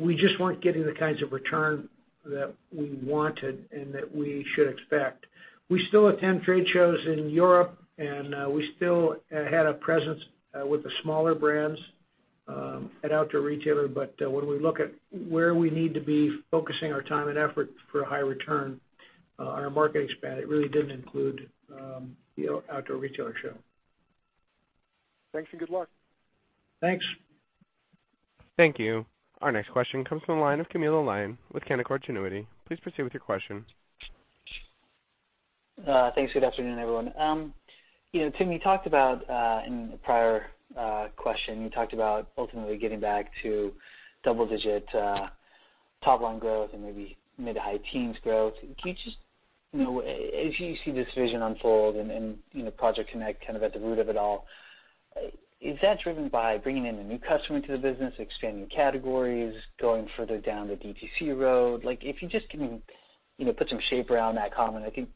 We just weren't getting the kinds of return that we wanted and that we should expect. We still attend trade shows in Europe, and we still had a presence with the smaller brands at Outdoor Retailer. When we look at where we need to be focusing our time and effort for a high return on our marketing spend, it really didn't include the Outdoor Retailer Show. Thanks, and good luck. Thanks. Thank you. Our next question comes from the line of Camilo Lyon with Canaccord Genuity. Please proceed with your question. Thanks. Good afternoon, everyone. Tim, in a prior question, you talked about ultimately getting back to double-digit top-line growth and maybe mid to high teens growth. As you see this vision unfold and Project CONNECT kind of at the root of it all, is that driven by bringing in a new customer into the business, expanding categories, going further down the D2C road? If you just can put some shape around that comment, I think-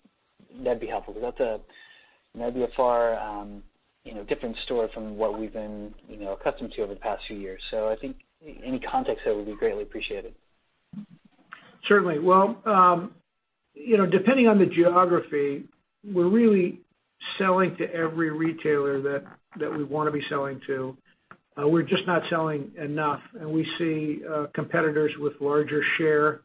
That'd be helpful, because that'd be a far different story from what we've been accustomed to over the past few years. I think any context there would be greatly appreciated. Certainly. Well, depending on the geography, we're really selling to every retailer that we want to be selling to. We're just not selling enough, and we see competitors with larger share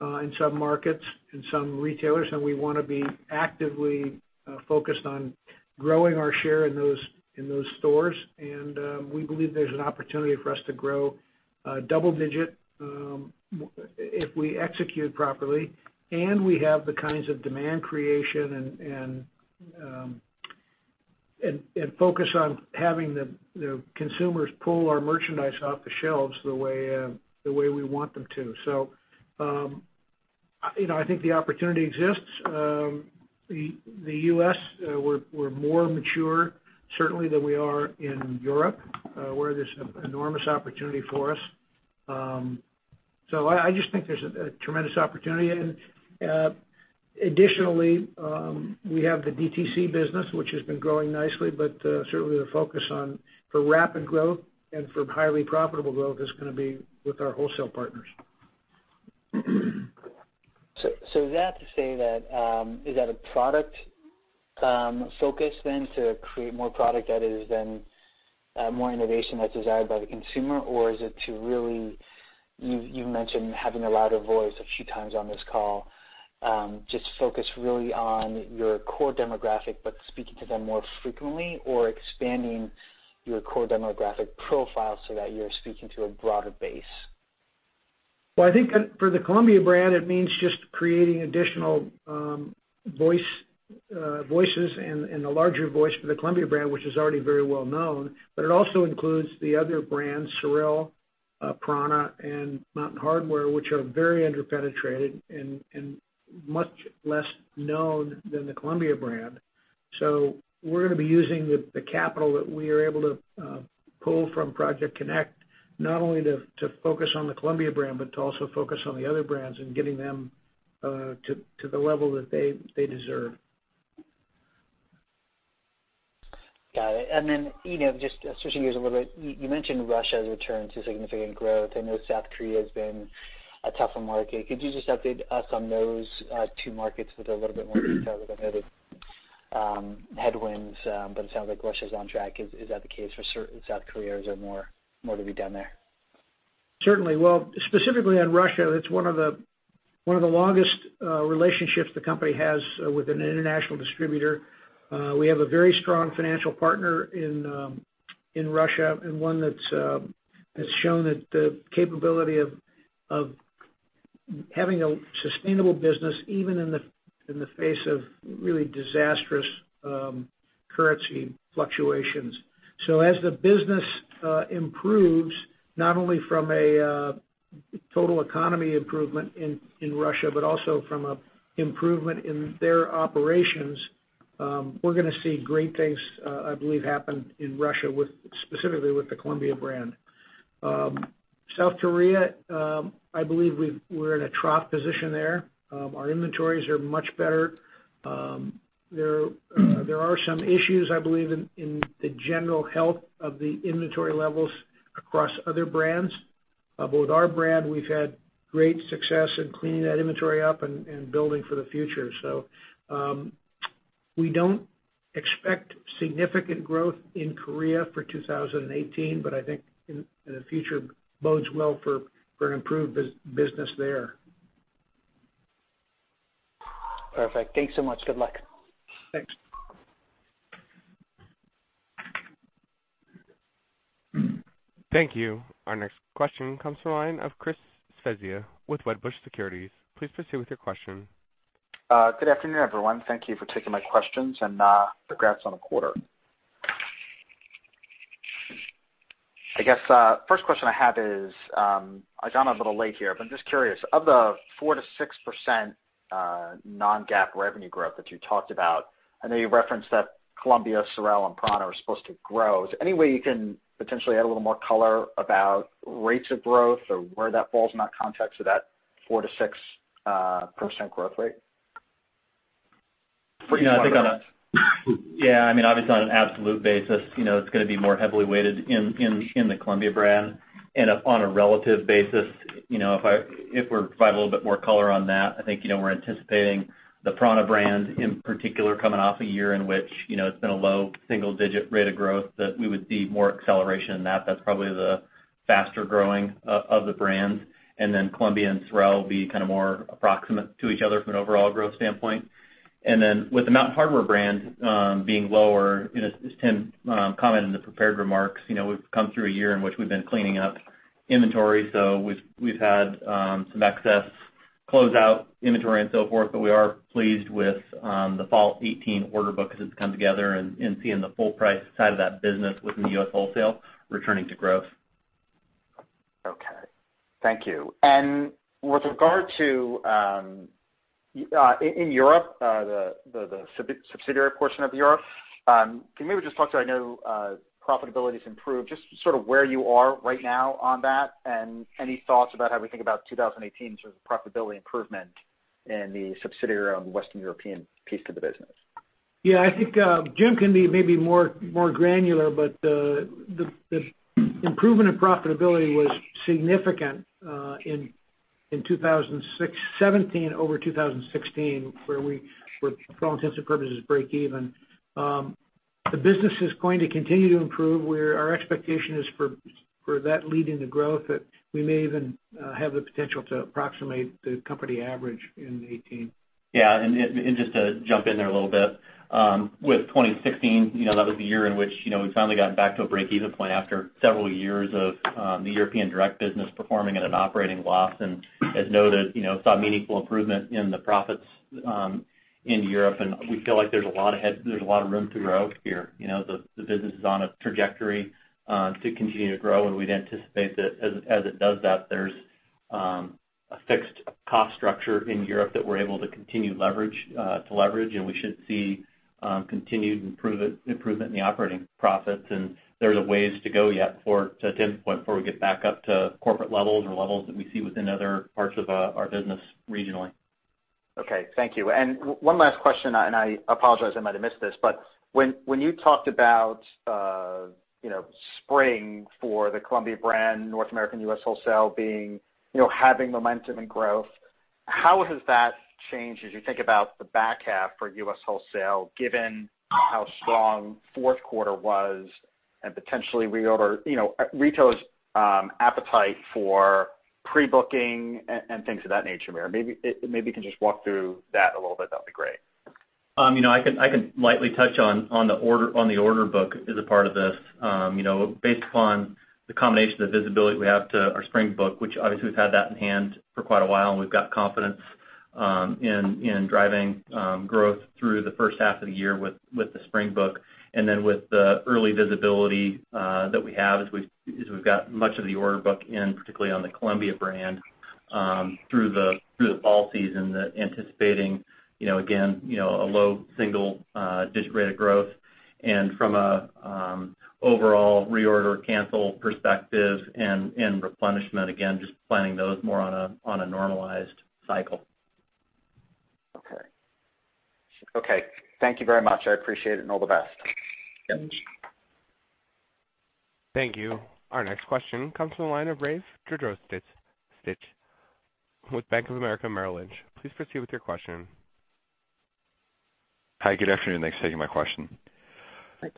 in some markets and some retailers, and we want to be actively focused on growing our share in those stores. We believe there's an opportunity for us to grow double digit if we execute properly and we have the kinds of demand creation and focus on having the consumers pull our merchandise off the shelves the way we want them to. I think the opportunity exists. The U.S., we're more mature, certainly, than we are in Europe, where there's enormous opportunity for us. I just think there's a tremendous opportunity. Additionally, we have the DTC business, which has been growing nicely, but certainly the focus on the rapid growth and for highly profitable growth is going to be with our wholesale partners. Is that a product focus to create more product that is more innovation that's desired by the consumer, or is it to really, you've mentioned having a louder voice a few times on this call. Focus really on your core demographic, but speaking to them more frequently, or expanding your core demographic profile so that you're speaking to a broader base? I think for the Columbia brand, it means just creating additional voices and a larger voice for the Columbia brand, which is already very well-known. It also includes the other brands, SOREL, prAna, and Mountain Hardwear, which are very under-penetrated and much less known than the Columbia brand. We're going to be using the capital that we are able to pull from Project CONNECT, not only to focus on the Columbia brand, but to also focus on the other brands and getting them to the level that they deserve. Got it. Just switching gears a little bit, you mentioned Russia has returned to significant growth. I know South Korea has been a tougher market. Could you just update us on those two markets with a little bit more detail? I know the headwinds, but it sounds like Russia's on track. Is that the case for South Korea, or is there more to be done there? Certainly. Specifically on Russia, it's one of the longest relationships the company has with an international distributor. We have a very strong financial partner in Russia, and one that has shown the capability of having a sustainable business even in the face of really disastrous currency fluctuations. As the business improves, not only from a total economy improvement in Russia, but also from an improvement in their operations, we're going to see great things, I believe, happen in Russia, specifically with the Columbia brand. South Korea, I believe we're in a trough position there. Our inventories are much better. There are some issues, I believe, in the general health of the inventory levels across other brands. With our brand, we've had great success in cleaning that inventory up and building for the future. We don't expect significant growth in Korea for 2018, but I think the future bodes well for an improved business there. Perfect. Thanks so much. Good luck. Thanks. Thank you. Our next question comes from the line of Chris Svezia with Wedbush Securities. Please proceed with your question. Good afternoon, everyone. Thank you for taking my questions, and congrats on the quarter. I guess first question I have is, I joined a little late here, but I'm just curious. Of the 4%-6% non-GAAP revenue growth that you talked about, I know you referenced that Columbia, SOREL, and prAna are supposed to grow. Is there any way you can potentially add a little more color about rates of growth or where that falls in that context of that 4%-6% growth rate? Obviously, on an absolute basis it's going to be more heavily weighted in the Columbia brand. On a relative basis, if we provide a little bit more color on that, I think we're anticipating the prAna brand in particular coming off a year in which it's been a low single-digit rate of growth that we would see more acceleration in that. That's probably the faster-growing of the brands. Columbia and SOREL will be more approximate to each other from an overall growth standpoint. With the Mountain Hardwear brand being lower, as Tim commented in the prepared remarks, we've come through a year in which we've been cleaning up inventory. We've had some excess closeout inventory and so forth, but we are pleased with the fall 2018 order book as it's come together and seeing the full price side of that business within the U.S. wholesale returning to growth. Thank you. With regard to in Europe, the subsidiary portion of Europe, can you maybe just talk to, I know profitability's improved, just sort of where you are right now on that and any thoughts about how we think about 2018 profitability improvement in the subsidiary on the Western European piece of the business? I think Jim can be maybe more granular, the improvement in profitability was significant in 2017 over 2016, where for all intents and purposes, break-even. The business is going to continue to improve, our expectation is for that leading to growth, we may even have the potential to approximate the company average in 2018. Yeah. Just to jump in there a little bit. With 2016, that was the year in which we finally got back to a break-even point after several years of the European direct business performing at an operating loss. As noted, saw meaningful improvement in the profits in Europe, and we feel like there's a lot of room to grow here. The business is on a trajectory to continue to grow, and we'd anticipate that as it does that, there's a fixed cost structure in Europe that we're able to continue to leverage, and we should see continued improvement in the operating profits. There's a ways to go yet for, to Tim's point, before we get back up to corporate levels or levels that we see within other parts of our business regionally. Okay, thank you. One last question, and I apologize, I might have missed this, but when you talked about spring for the Columbia brand, North American U.S. wholesale having momentum and growth, how has that changed as you think about the back half for U.S. wholesale, given how strong fourth quarter was and potentially reorder, retail's appetite for pre-booking and things of that nature, maybe you can just walk through that a little bit. That'd be great. I can lightly touch on the order book as a part of this. Based upon the combination of the visibility we have to our spring book, which obviously we've had that in hand for quite a while, and we've got confidence in driving growth through the first half of the year with the spring book. With the early visibility that we have, as we've got much of the order book in, particularly on the Columbia brand, through the fall season, anticipating, again, a low single-digit rate of growth. From an overall reorder cancel perspective and replenishment, again, just planning those more on a normalized cycle. Okay. Thank you very much. I appreciate it. All the best. Yes. Thank you. Our next question comes from the line of Rafe Jadrosich with Bank of America Merrill Lynch. Please proceed with your question. Hi, good afternoon. Thanks for taking my question. Thanks.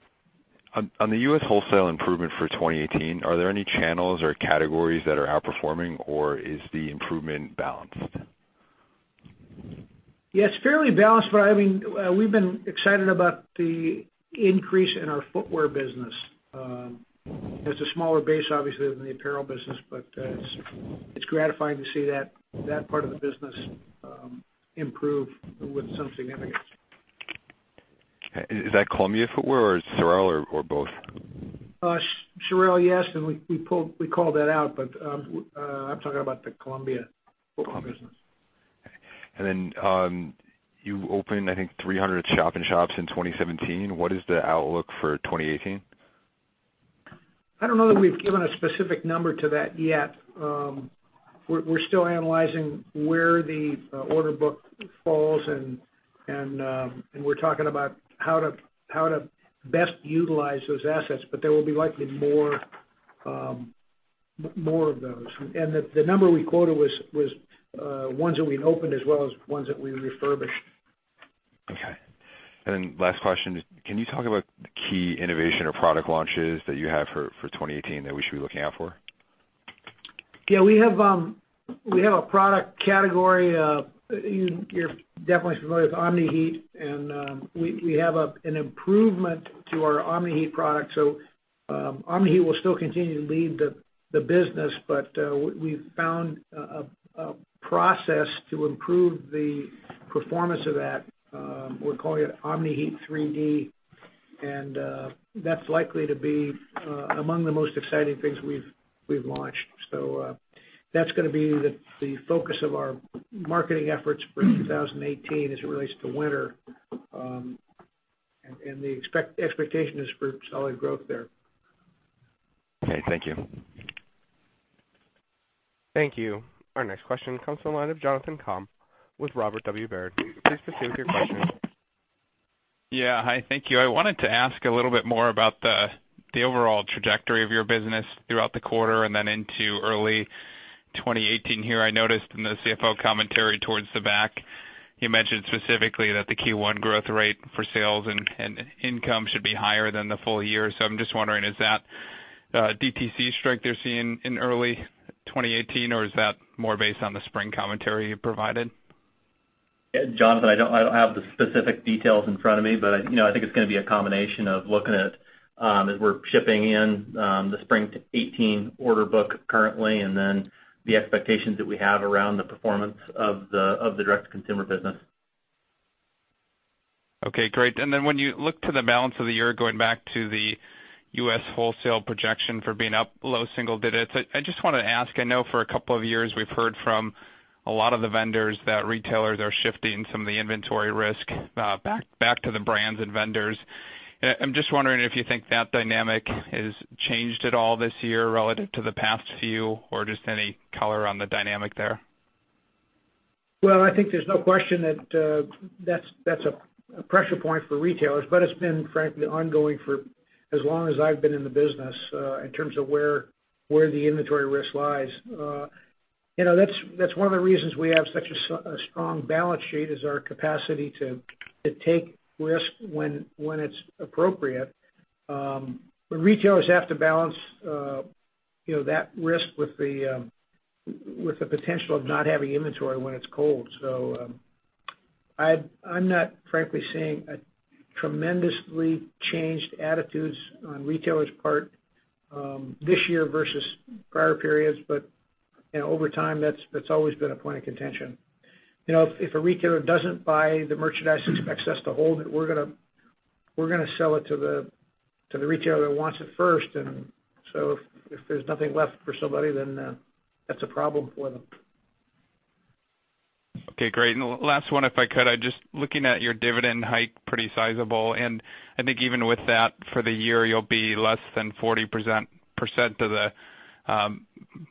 On the U.S. wholesale improvement for 2018, are there any channels or categories that are outperforming, or is the improvement balanced? Yeah, it's fairly balanced. We've been excited about the increase in our footwear business. It's a smaller base, obviously, than the apparel business, it's gratifying to see that part of the business improve with some significance. Is that Columbia footwear or SOREL or both? SOREL, yes. We called that out, but I'm talking about the Columbia footwear business. Okay. Then you opened, I think, 300 shop-in-shops in 2017. What is the outlook for 2018? I don't know that we've given a specific number to that yet. We're still analyzing where the order book falls, and we're talking about how to best utilize those assets, but there will be likely more of those. The number we quoted was ones that we'd opened as well as ones that we refurbished. Okay. Last question, can you talk about the key innovation or product launches that you have for 2018 that we should be looking out for? Yeah, we have a product category. You're definitely familiar with Omni-Heat, and we have an improvement to our Omni-Heat product. Omni-Heat will still continue to lead the business, but we've found a process to improve the performance of that. We're calling it Omni-Heat 3D, and that's likely to be among the most exciting things we've launched. That's going to be the focus of our marketing efforts for 2018 as it relates to winter. The expectation is for solid growth there. Okay, thank you. Thank you. Our next question comes from the line of Jonathan Komp with Robert W. Baird. Please proceed with your question. Yeah. Hi, thank you. I wanted to ask a little bit more about the overall trajectory of your business throughout the quarter and then into early 2018 here. I noticed in the CFO commentary towards the back, you mentioned specifically that the Q1 growth rate for sales and income should be higher than the full year. I'm just wondering, is that DTC strength you're seeing in early 2018, or is that more based on the spring commentary you provided? Jonathan, I don't have the specific details in front of me. I think it's going to be a combination of looking at as we're shipping in the spring 2018 order book currently and the expectations that we have around the performance of the direct-to-consumer business. Okay, great. When you look to the balance of the year, going back to the U.S. wholesale projection for being up low single digits, I just want to ask, I know for a couple of years we've heard from a lot of the vendors that retailers are shifting some of the inventory risk back to the brands and vendors. I'm just wondering if you think that dynamic has changed at all this year relative to the past few, just any color on the dynamic there. Well, I think there's no question that's a pressure point for retailers. It's been frankly ongoing for as long as I've been in the business, in terms of where the inventory risk lies. That's one of the reasons we have such a strong balance sheet, is our capacity to take risks when it's appropriate. Retailers have to balance that risk with the potential of not having inventory when it's cold. I'm not frankly seeing tremendously changed attitudes on retailers' part this year versus prior periods. Over time, that's always been a point of contention. If a retailer doesn't buy the merchandise and expects us to hold it, we're going to sell it to the retailer that wants it first. If there's nothing left for somebody, then that's a problem for them. Okay, great. Last one, if I could. Just looking at your dividend hike, pretty sizable, and I think even with that for the year, you'll be less than 40% of the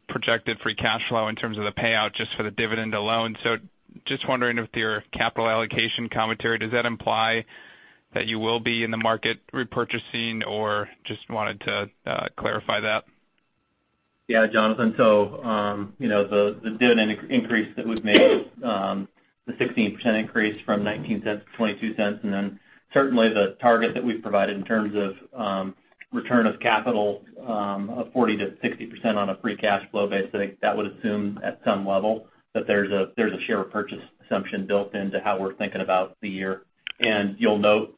projected free cash flow in terms of the payout just for the dividend alone. Just wondering if your capital allocation commentary, does that imply that you will be in the market repurchasing or just wanted to clarify that? Jonathan. The dividend increase that was made, the 16% increase from $0.19 to $0.22, certainly the target that we've provided in terms of return of capital of 40%-60% on a free cash flow basis, that would assume at some level that there's a share repurchase assumption built into how we're thinking about the year. You'll note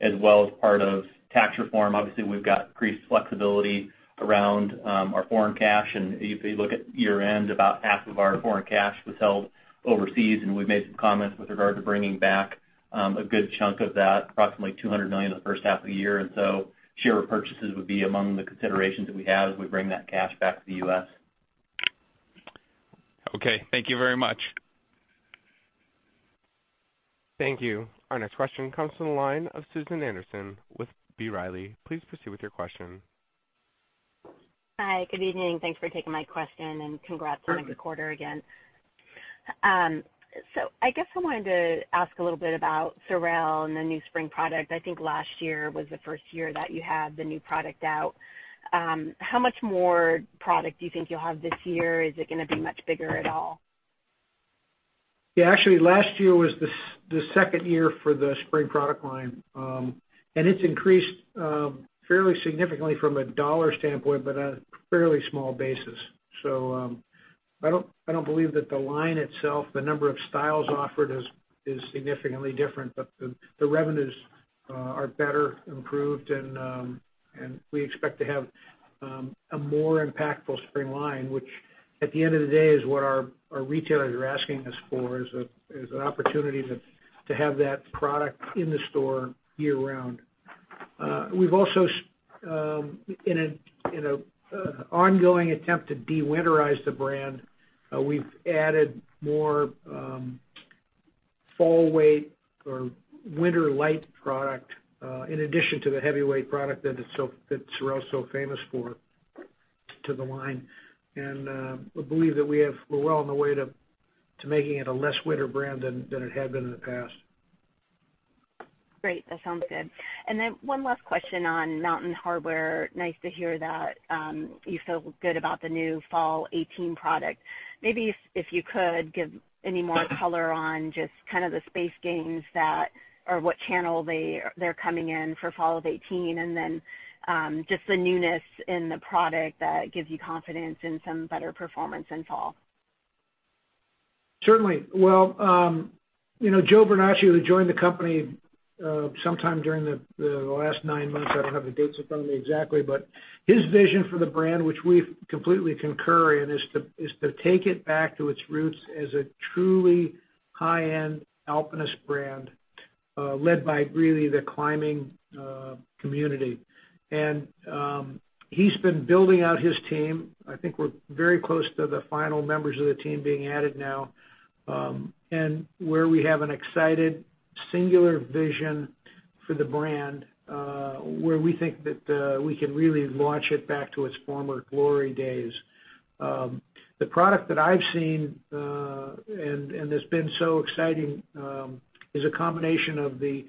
as well as part of tax reform, obviously, we've got increased flexibility around our foreign cash. If you look at year-end, about half of our foreign cash was held overseas, and we've made some comments with regard to bringing back a good chunk of that, approximately $200 million in the first half of the year. Share repurchases would be among the considerations that we have as we bring that cash back to the U.S. Okay. Thank you very much. Thank you. Our next question comes from the line of Susan Anderson with B. Riley. Please proceed with your question. Hi, good evening. Thanks for taking my question and congrats on the quarter again. I guess I wanted to ask a little bit about SOREL and the new spring product. I think last year was the first year that you had the new product out. How much more product do you think you'll have this year? Is it going to be much bigger at all? Yeah, actually last year was the second year for the spring product line. It's increased fairly significantly from a dollar standpoint, but on a fairly small basis. I don't believe that the line itself, the number of styles offered, is significantly different, but the revenues are better improved and we expect to have a more impactful spring line, which at the end of the day, is what our retailers are asking us for, is an opportunity to have that product in the store year-round. In an ongoing attempt to de-winterize the brand, we've added more fall weight or winter light product, in addition to the heavyweight product that SOREL's so famous for to the line. We believe that we're well on the way to making it a less winter brand than it had been in the past. Great. That sounds good. One last question on Mountain Hardwear. Nice to hear that you feel good about the new fall 2018 product. Maybe if you could, give any more color on just kind of the space gains that or what channel they're coming in for fall of 2018, and then just the newness in the product that gives you confidence in some better performance in fall. Certainly. Well, Joe Vernachio, who joined the company sometime during the last nine months, I don't have the dates in front of me exactly, but his vision for the brand, which we completely concur in, is to take it back to its roots as a truly high-end alpinist brand, led by really the climbing community. He's been building out his team. I think we're very close to the final members of the team being added now. Where we have an excited, singular vision for the brand, where we think that we can really launch it back to its former glory days. The product that I've seen, and that's been so exciting, is a combination of the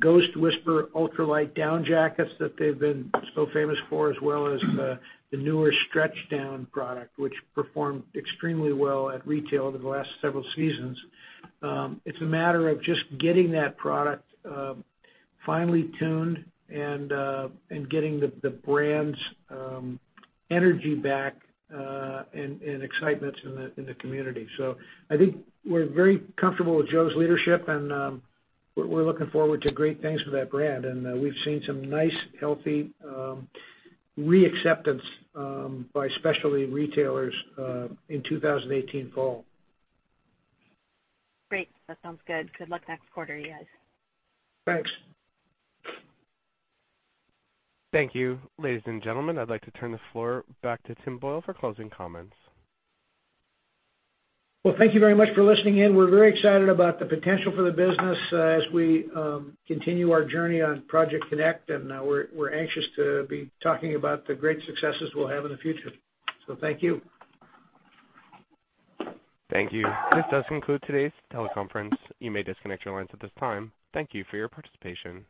Ghost Whisperer ultralight down jackets that they've been so famous for, as well as the newer StretchDown product, which performed extremely well at retail over the last several seasons. It's a matter of just getting that product finely tuned and getting the brand's energy back and excitements in the community. I think we're very comfortable with Joe's leadership, and we're looking forward to great things for that brand. We've seen some nice, healthy reacceptance by specialty retailers in 2018 fall. Great. That sounds good. Good luck next quarter, you guys. Thanks. Thank you. Ladies and gentlemen, I'd like to turn the floor back to Tim Boyle for closing comments. Well, thank you very much for listening in. We're very excited about the potential for the business as we continue our journey on Project CONNECT, and we're anxious to be talking about the great successes we'll have in the future. Thank you. Thank you. This does conclude today's teleconference. You may disconnect your lines at this time. Thank you for your participation.